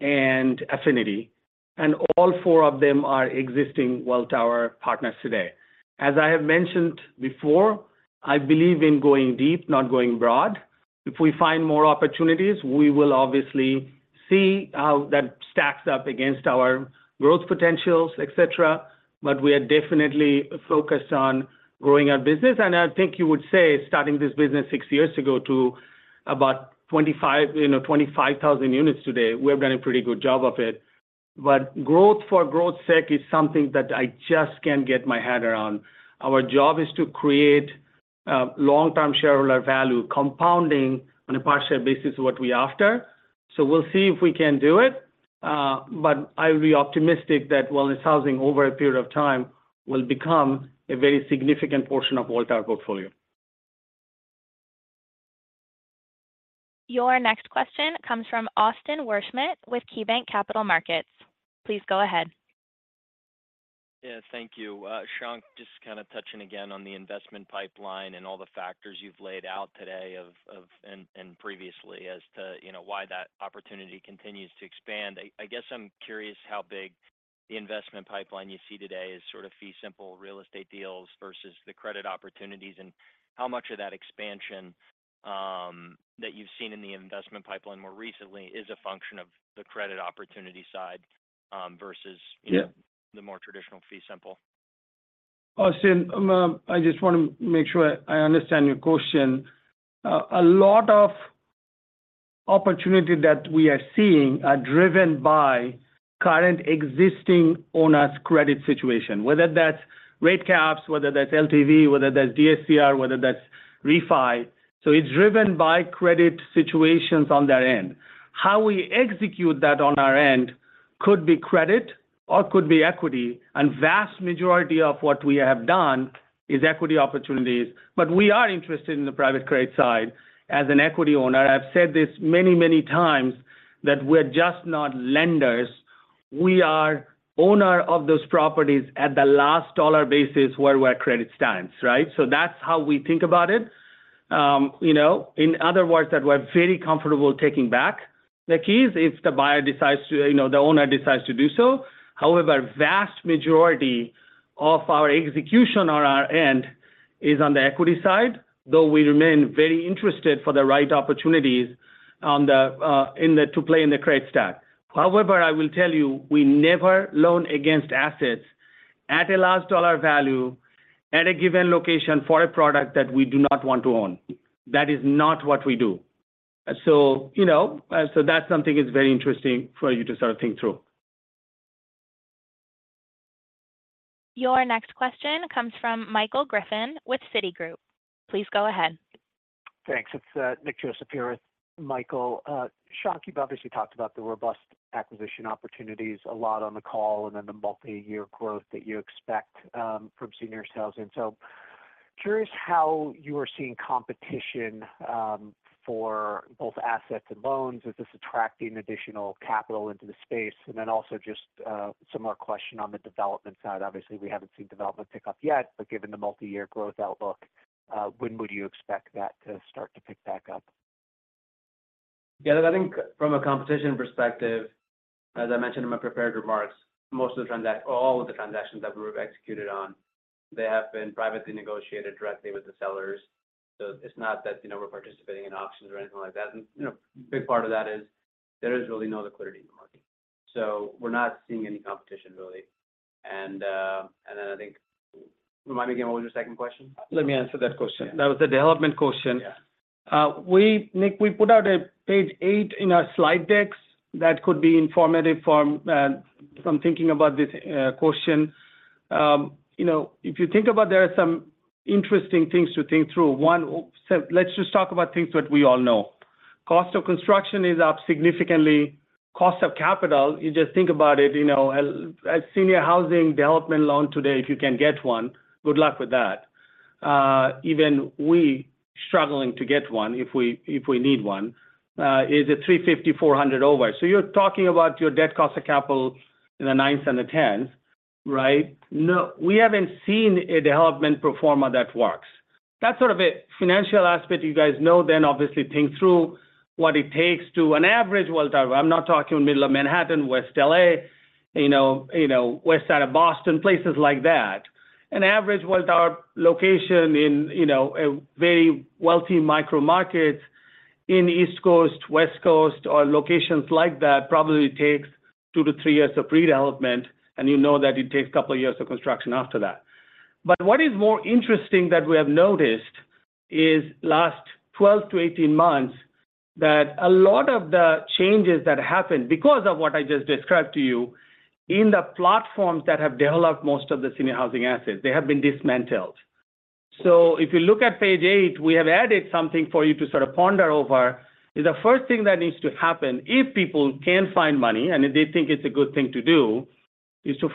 and Affinity. And all four of them are existing Welltower partners today. As I have mentioned before, I believe in going deep, not going broad. If we find more opportunities, we will obviously see how that stacks up against our growth potentials, etc. But we are definitely focused on growing our business. I think you would say starting this business six years ago to about 25,000 units today, we have done a pretty good job of it. But growth for growth's sake is something that I just can't get my head around. Our job is to create long-term shareholder value, compounding on a partial basis what we're after. So we'll see if we can do it. But I would be optimistic that wellness housing, over a period of time, will become a very significant portion of Welltower portfolio. Your next question comes from Austin Wurschmidt with KeyBanc Capital Markets. Please go ahead. Yeah. Thank you. Shankh, just kind of touching again on the investment pipeline and all the factors you've laid out today and previously as to why that opportunity continues to expand. I guess I'm curious how big the investment pipeline you see today is sort of fee-simple real estate deals versus the credit opportunities, and how much of that expansion that you've seen in the investment pipeline more recently is a function of the credit opportunity side versus the more traditional fee-simple. Austin, I just want to make sure I understand your question. A lot of opportunity that we are seeing are driven by current existing owners' credit situation, whether that's rate caps, whether that's LTV, whether that's DSCR, whether that's refi. So it's driven by credit situations on their end. How we execute that on our end could be credit or could be equity. And the vast majority of what we have done is equity opportunities. But we are interested in the private credit side as an equity owner. I've said this many, many times, that we're just not lenders. We are owner of those properties at the last dollar basis where our credit stands, right? So that's how we think about it. In other words, that we're very comfortable taking back the keys if the owner decides to do so. However, the vast majority of our execution on our end is on the equity side, though we remain very interested for the right opportunities to play in the credit stack. However, I will tell you, we never loan against assets at a last dollar value at a given location for a product that we do not want to own. That is not what we do. So that's something that's very interesting for you to sort of think through. Your next question comes from Michael Griffin with Citigroup. Please go ahead. Thanks. It's Nick Joseph here with Michael, Shankh, you've obviously talked about the robust acquisition opportunities a lot on the call and then the multi-year growth that you expect Senior Housing. so curious how you are seeing competition for both assets and loans. Is this attracting additional capital into the space? And then also just a similar question on the development side. Obviously, we haven't seen development pick up yet, but given the multi-year growth outlook, when would you expect that to start to pick back up? Yeah. I think from a competition perspective, as I mentioned in my prepared remarks, most of the transactions or all of the transactions that we've executed on, they have been privately negotiated directly with the sellers. So it's not that we're participating in auctions or anything like that. And a big part of that is there is really no liquidity in the market. So we're not seeing any competition, really. And then I think remind me again, what was your second question? Let me answer that question. That was the development question. Nick, we put out a page eight in our slide decks that could be informative from thinking about this question. If you think about, there are some interesting things to think through. One, let's just talk about things that we all know. Cost of construction is up significantly. Cost of capital, you just think about it, Senior Housing development loan today, if you can get one, good luck with that. Even we struggling to get one if we need one is a 350-400 over. So you're talking about your debt cost of capital in the nines and the 10s, right? No, we haven't seen a development pro forma that works. That's sort of a financial aspect you guys know, then obviously think through what it takes to an average Welltower. I'm not talking in the middle of Manhattan, West L.A., west side of Boston, places like that. An average Welltower location in very wealthy micro markets in East Coast, West Coast, or locations like that probably takes two to three years of pre-development, and you know that it takes a couple of years of construction after that. But what is more interesting that we have noticed is last 12-18 months that a lot of the changes that happened because of what I just described to you in the platforms that have developed most of Senior Housing assets, they have been dismantled. So if you look at page eight, we have added something for you to sort of ponder over. The first thing that needs to happen if people can find money, and if they think it's a good thing to do, is to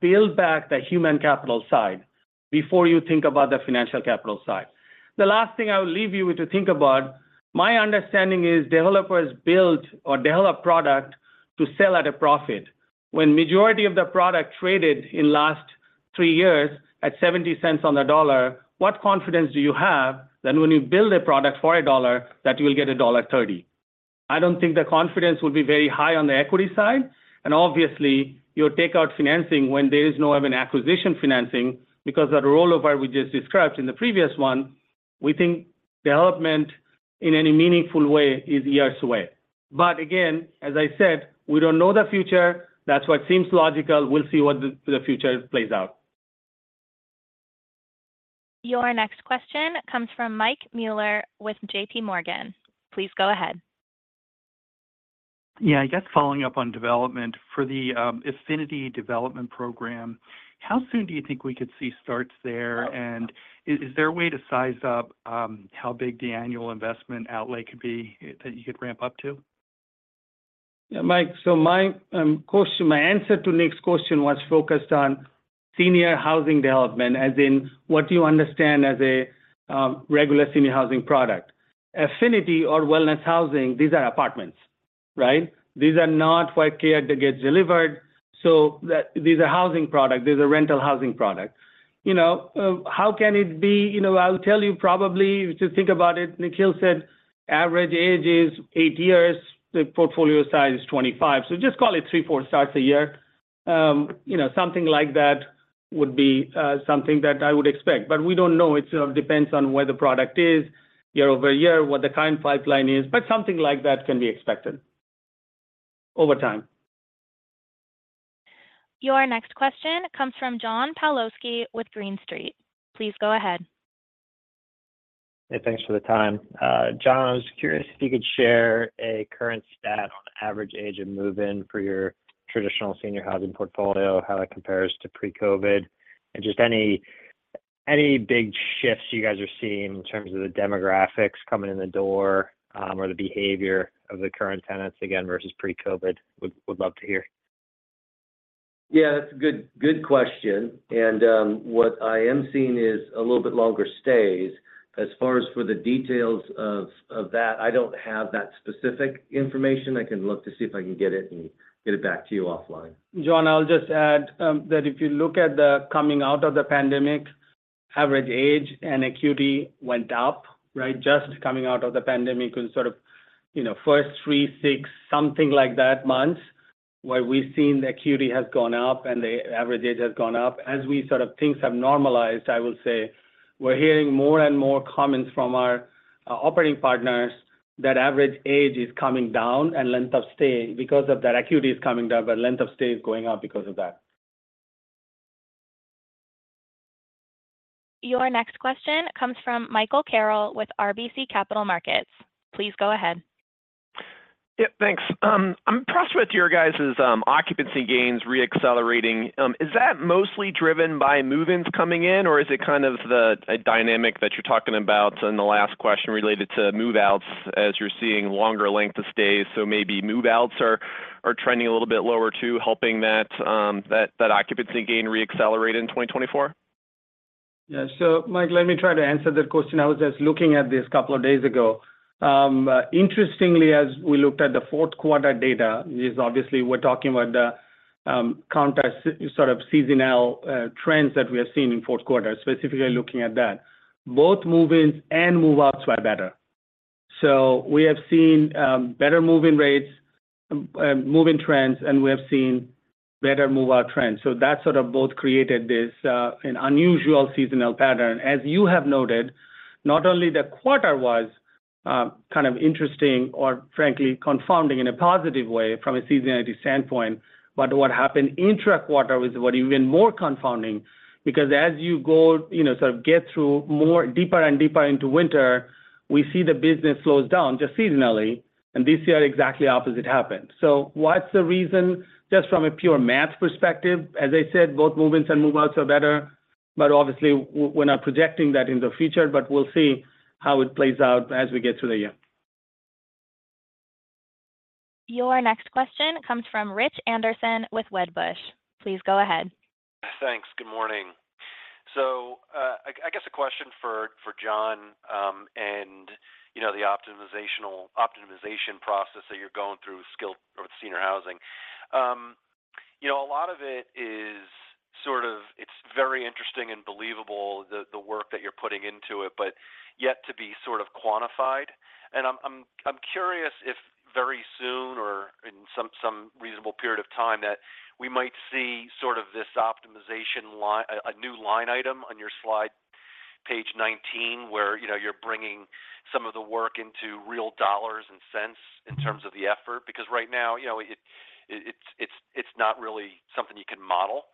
build back the human capital side before you think about the financial capital side. The last thing I will leave you with to think about, my understanding is developers build or develop product to sell at a profit. When the majority of the product traded in the last three years at $0.70 on the dollar, what confidence do you have that when you build a product for $1, that you will get $1.30? I don't think the confidence will be very high on the equity side. Obviously, you'll take out financing when there is no acquisition financing because of the rollover we just described in the previous one. We think development in any meaningful way is years away. Again, as I said, we don't know the future. That's what seems logical. We'll see what the future plays out. Your next question comes from Mike Mueller with JPMorgan. Please go ahead. Yeah. I guess following up on development, for the Affinity development program, how soon do you think we could see starts there? And is there a way to size up how big the annual investment outlay could be that you could ramp up to? Yeah, Mike. So my answer to Nick's question was focused Senior Housing development, as in what do you understand as a Senior Housing product. Affinity or wellness housing, these are apartments, right? These are not where care gets delivered. So these are housing products. These are rental housing products. How can it be? I'll tell you probably to think about it. Nikhil said average age is eight years. The portfolio size is 25. So just call it three to four starts a year. Something like that would be something that I would expect. But we don't know. It sort of depends on where the product is year-over-year, what the current pipeline is. But something like that can be expected over time. Your next question comes from John Pawlowski with Green Street. Please go ahead. Hey, thanks for the time. John, I was curious if you could share a current stat on average age of move-in for your Senior Housing portfolio, how that compares to pre-COVID, and just any big shifts you guys are seeing in terms of the demographics coming in the door or the behavior of the current tenants, again, versus pre-COVID. Would love to hear. Yeah, that's a good question. What I am seeing is a little bit longer stays. As far as for the details of that, I don't have that specific information. I can look to see if I can get it and get it back to you offline. John, I'll just add that if you look at the coming out of the pandemic, average age and acuity went up, right? Just coming out of the pandemic in sort of first three, six, something like that months where we've seen the acuity has gone up and the average age has gone up. As we sort of things have normalized, I will say we're hearing more and more comments from our operating partners that average age is coming down and length of stay because of that acuity is coming down, but length of stay is going up because of that. Your next question comes from Michael Carroll with RBC Capital Markets. Please go ahead. Yeah, thanks. I'm impressed with your guys' occupancy gains reaccelerating. Is that mostly driven by move-ins coming in, or is it kind of the dynamic that you're talking about in the last question related to move-outs as you're seeing longer length of stays? Maybe move-outs are trending a little bit lower too, helping that occupancy gain reaccelerate in 2024? Yeah. So Mike, let me try to answer that question. I was just looking at this a couple of days ago. Interestingly, as we looked at the fourth quarter data, obviously, we're talking about the counter sort of seasonal trends that we have seen in fourth quarter, specifically looking at that. Both move-ins and move-outs were better. So we have seen better move-in rates, move-in trends, and we have seen better move-out trends. So that sort of both created this unusual seasonal pattern. As you have noted, not only the quarter was kind of interesting or, frankly, confounding in a positive way from a seasonality standpoint, but what happened intra-quarter was even more confounding because as you sort of get through deeper and deeper into winter, we see the business slows down just seasonally. And this year, exactly the opposite happened. So what's the reason? Just from a pure math perspective, as I said, both move-ins and move-outs are better. But obviously, we're not projecting that in the future, but we'll see how it plays out as we get through the year. Your next question comes from Rich Anderson with Wedbush. Please go ahead. Thanks. Good morning. So, I guess a question for John and the optimization process that you're going through Senior Housing. a lot of it is sort of, it's very interesting and believable, the work that you're putting into it, but yet to be sort of quantified. And I'm curious if very soon or in some reasonable period of time that we might see sort of this optimization, a new line item on your slide, page 19, where you're bringing some of the work into real dollars and cents in terms of the effort because right now, it's not really something you can model.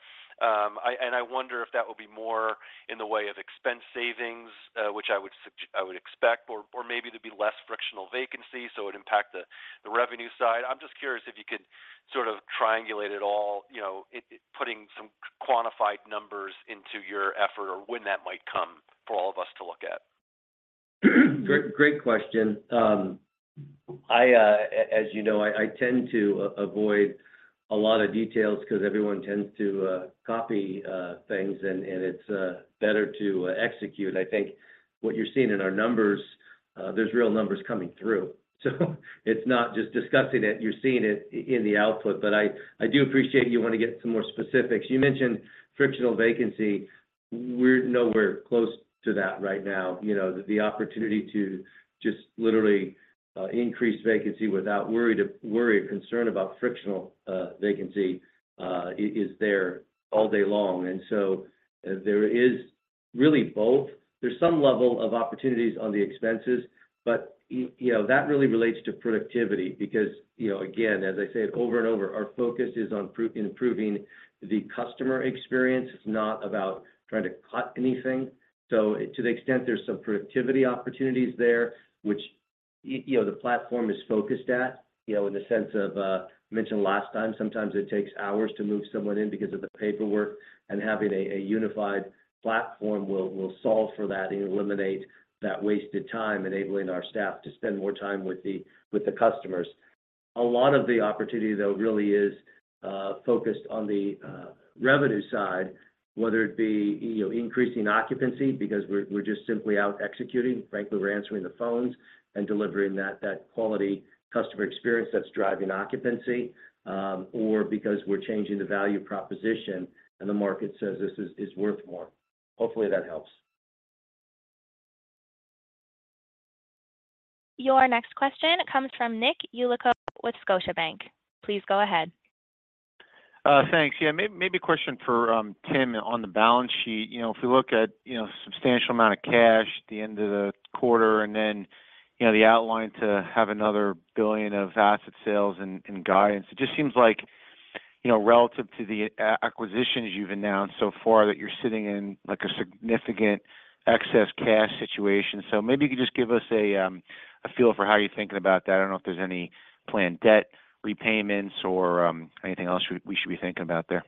And I wonder if that would be more in the way of expense savings, which I would expect, or maybe there'd be less frictional vacancies so it would impact the revenue side. I'm just curious if you could sort of triangulate it all, putting some quantified numbers into your effort or when that might come for all of us to look at. Great question. As you know, I tend to avoid a lot of details because everyone tends to copy things, and it's better to execute. I think what you're seeing in our numbers, there's real numbers coming through. So it's not just discussing it. You're seeing it in the output. But I do appreciate you want to get some more specifics. You mentioned frictional vacancy. We're nowhere close to that right now. The opportunity to just literally increase vacancy without worry or concern about frictional vacancy is there all day long. And so there is really both. There's some level of opportunities on the expenses, but that really relates to productivity because, again, as I said over and over, our focus is on improving the customer experience. It's not about trying to cut anything. So to the extent there's some productivity opportunities there, which the platform is focused at in the sense of I mentioned last time, sometimes it takes hours to move someone in because of the paperwork, and having a unified platform will solve for that and eliminate that wasted time, enabling our staff to spend more time with the customers. A lot of the opportunity, though, really is focused on the revenue side, whether it be increasing occupancy because we're just simply out executing. Frankly, we're answering the phones and delivering that quality customer experience that's driving occupancy or because we're changing the value proposition and the market says this is worth more. Hopefully, that helps. Your next question comes from Nick Yulico with Scotiabank. Please go ahead. Thanks. Yeah, maybe a question for Tim on the balance sheet. If we look at a substantial amount of cash at the end of the quarter and then the outline to have another $1 billion of asset sales and guidance, it just seems like relative to the acquisitions you've announced so far that you're sitting in a significant excess cash situation. So maybe you could just give us a feel for how you're thinking about that. I don't know if there's any planned debt repayments or anything else we should be thinking about there.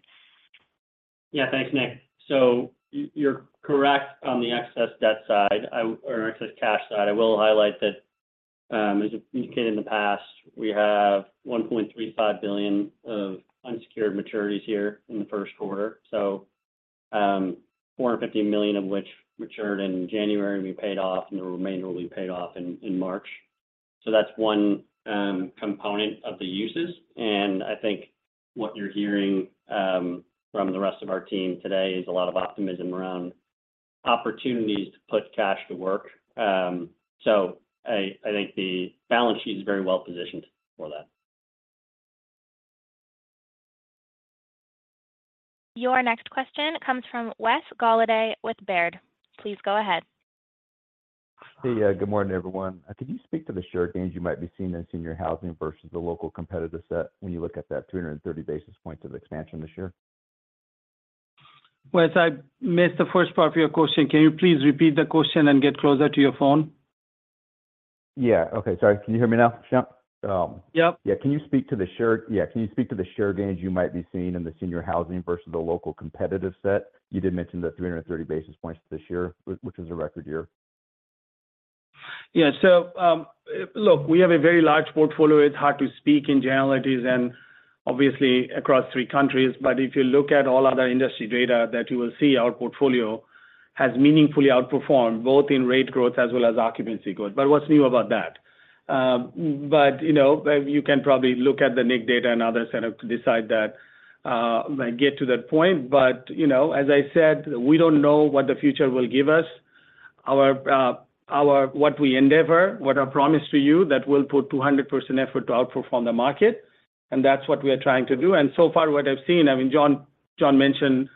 Yeah, thanks, Nick. So you're correct on the excess debt side or excess cash side. I will highlight that as indicated in the past, we have $1.35 billion of unsecured maturities here in the first quarter, so $450 million of which matured in January, and we paid off, and the remainder will be paid off in March. So that's one component of the uses. And I think what you're hearing from the rest of our team today is a lot of optimism around opportunities to put cash to work. So I think the balance sheet is very well positioned for that. Your next question comes from Wes Golladay with Baird. Please go ahead. Hey, good morning, everyone. Could you speak to the share gains you might be seeing Senior Housing versus the local competitor set when you look at that 230 basis points of expansion this year? Wes, I missed the first part of your question. Can you please repeat the question and get closer to your phone? Yeah. Okay. Sorry. Can you hear me now, Shankh? Yep. Yeah. Can you speak to the share gains you might be seeing in Senior Housing versus the local competitive set? You did mention the 330 basis points this year, which was a record year. Yeah. So look, we have a very large portfolio. It's hard to speak in generalities and obviously across three countries. But if you look at all other industry data, you will see our portfolio has meaningfully outperformed both in rate growth as well as occupancy growth. But what's new about that? But you can probably look at the NIC data and other setups to decide that get to that point. But as I said, we don't know what the future will give us, what we endeavor, what I promised to you that we'll put 200% effort to outperform the market. And that's what we are trying to do. And so far, what I've seen I mean, John mentioned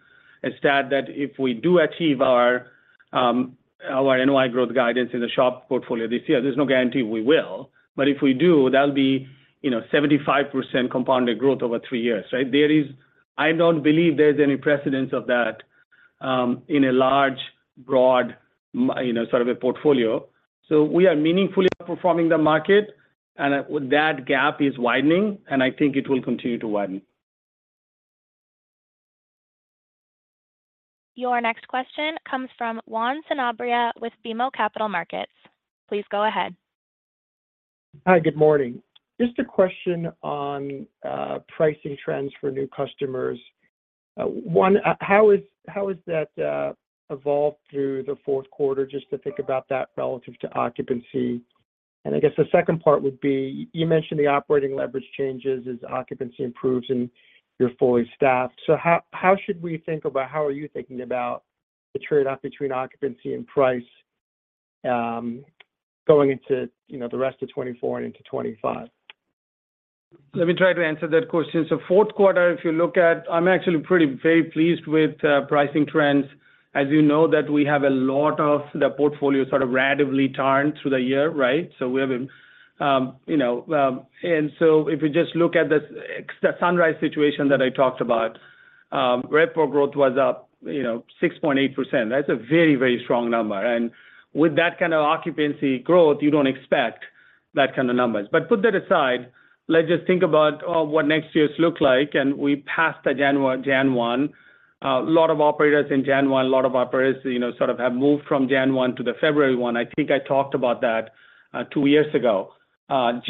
a stat that if we do achieve our NOI growth guidance in the SHOP portfolio this year, there's no guarantee we will. But if we do, that'll be 75% compounded growth over three years, right? I don't believe there's any precedent of that in a large, broad sort of a portfolio. So we are meaningfully outperforming the market, and that gap is widening, and I think it will continue to widen. Your next question comes from Juan Sanabria with BMO Capital Markets. Please go ahead. Hi, good morning. Just a question on pricing trends for new customers. One, how has that evolved through the fourth quarter? Just to think about that relative to occupancy. And I guess the second part would be you mentioned the operating leverage changes as occupancy improves and you're fully staffed. So how should we think about how are you thinking about the trade-off between occupancy and price going into the rest of 2024 and into 2025? Let me try to answer that question. So fourth quarter, if you look at, I'm actually very pleased with pricing trends. As you know, we have a lot of the portfolio sort of radically turned through the year, right? So we have a and so if you just look at the Sunrise situation that I talked about, RevPOR growth was up 6.8%. That's a very, very strong number. And with that kind of occupancy growth, you don't expect that kind of numbers. But put that aside, let's just think about what next year's look like. And we passed the January 1. A lot of operators in January a lot of operators sort of have moved from January 1 to the February 1. I think I talked about that two years ago. Not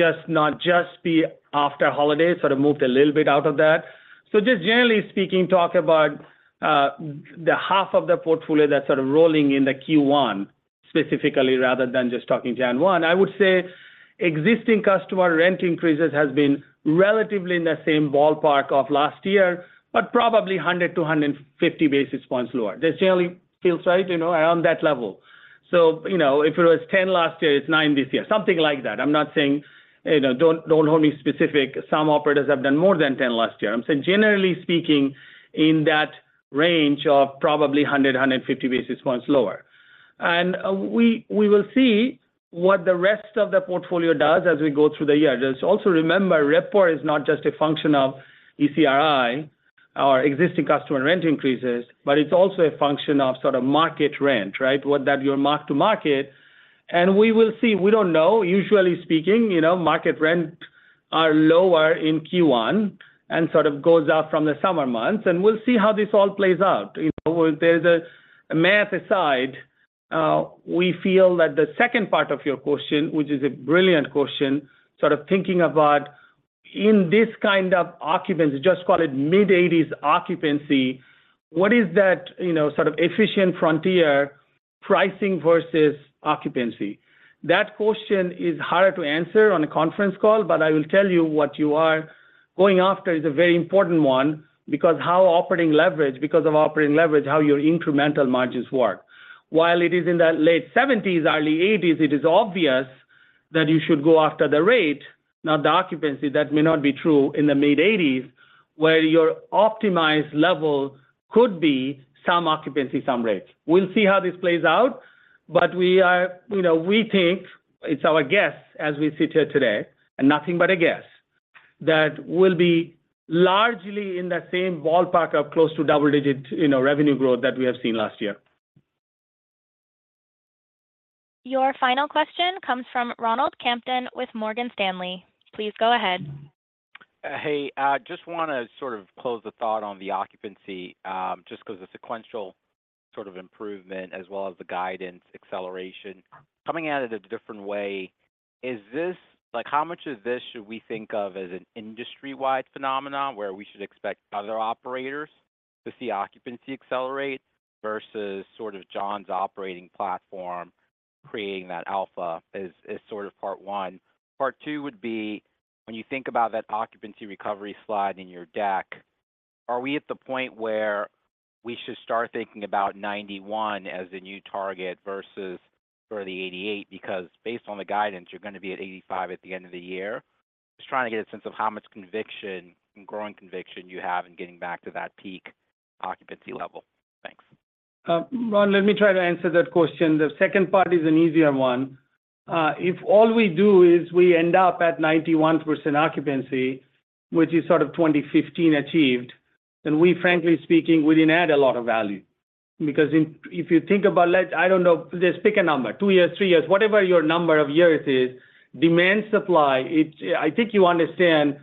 just be after holidays, sort of moved a little bit out of that. So just generally speaking, talk about the half of the portfolio that's sort of rolling in the Q1 specifically rather than just talking January 1. I would say existing customer rent increases have been relatively in the same ballpark of last year, but probably 100-150 basis points lower. That generally feels right around that level. So if it was 10 last year, it's nine this year, something like that. I'm not saying don't hold me specific. Some operators have done more than 10 last year. I'm saying, generally speaking, in that range of probably 100-150 basis points lower. And we will see what the rest of the portfolio does as we go through the year. Just also remember, RevPOR is not just a function of ECRI or existing customer rent increases, but it's also a function of sort of market rent, right? Your mark-to-market. We will see. We don't know. Usually speaking, market rents are lower in Q1 and sort of goes up from the summer months. We'll see how this all plays out. There's a math aside. We feel that the second part of your question, which is a brilliant question, sort of thinking about in this kind of occupancy just call it mid-80s occupancy, what is that sort of efficient frontier, pricing versus occupancy? That question is harder to answer on a conference call, but I will tell you what you are going after is a very important one because how operating leverage because of operating leverage, how your incremental margins work. While it is in the late 70s, early 80s, it is obvious that you should go after the rate. Now, the occupancy, that may not be true in the mid-80s where your optimized level could be some occupancy, some rates. We'll see how this plays out. But we think it's our guess as we sit here today and nothing but a guess that will be largely in the same ballpark of close to double-digit revenue growth that we have seen last year. Your final question comes from Ronald Kamdem with Morgan Stanley. Please go ahead. Hey, I just want to sort of close the thought on the occupancy just because the sequential sort of improvement as well as the guidance acceleration coming at it a different way, how much of this should we think of as an industry-wide phenomenon where we should expect other operators to see occupancy accelerate versus sort of John's operating platform creating that alpha is sort of part one. Part two would be when you think about that occupancy recovery slide in your deck, are we at the point where we should start thinking about 91% as a new target versus sort of the 88% because based on the guidance, you're going to be at 85% at the end of the year? Just trying to get a sense of how much conviction and growing conviction you have in getting back to that peak occupancy level. Thanks. Ron, let me try to answer that question. The second part is an easier one. If all we do is we end up at 91% occupancy, which is sort of 2015 achieved, then we, frankly speaking, wouldn't add a lot of value because if you think about, I don't know. Just pick a number, two years, three years, whatever your number of years is, demand supply, I think you understand,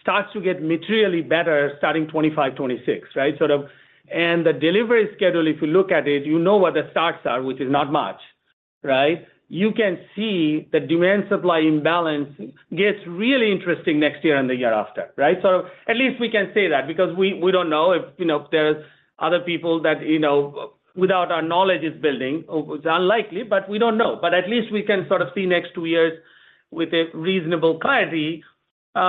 starts to get materially better starting 2025, 2026, right? And the delivery schedule, if you look at it, you know what the starts are, which is not much, right? You can see the demand supply imbalance gets really interesting next year and the year after, right? At least we can say that because we don't know if there are other people that without our knowledge is building. It's unlikely, but we don't know. At least we can sort of see next two years with a reasonable clarity. We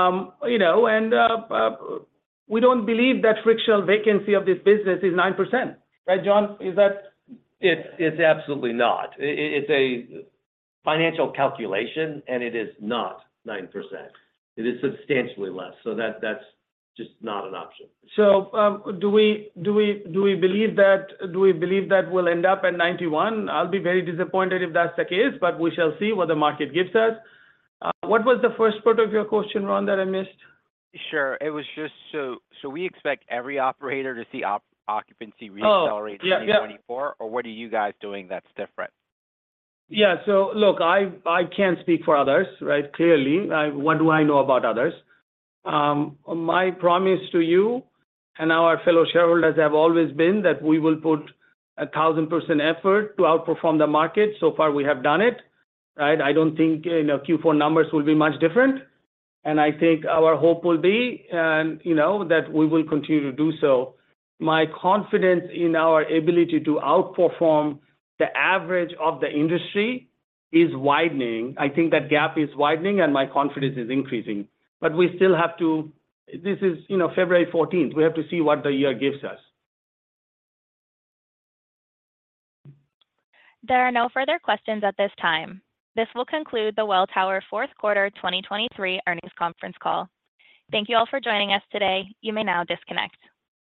don't believe that frictional vacancy of this business is 9%, right, John? Is that? It's absolutely not. It's a financial calculation, and it is not 9%. It is substantially less. So that's just not an option. So do we believe that we'll end up at 91%? I'll be very disappointed if that's the case, but we shall see what the market gives us. What was the first part of your question, Ron, that I missed? Sure. It was just so we expect every operator to see occupancy reaccelerate in 2024, or what are you guys doing that's different? Yeah. So look, I can't speak for others, right? Clearly, what do I know about others? My promise to you and our fellow shareholders have always been that we will put 1,000% effort to outperform the market. So far, we have done it, right? I don't think Q4 numbers will be much different. And I think our hope will be that we will continue to do so. My confidence in our ability to outperform the average of the industry is widening. I think that gap is widening, and my confidence is increasing. But we still have to this is February 14th. We have to see what the year gives us. There are no further questions at this time. This will conclude the Welltower fourth quarter 2023 earnings conference call. Thank you all for joining us today. You may now disconnect.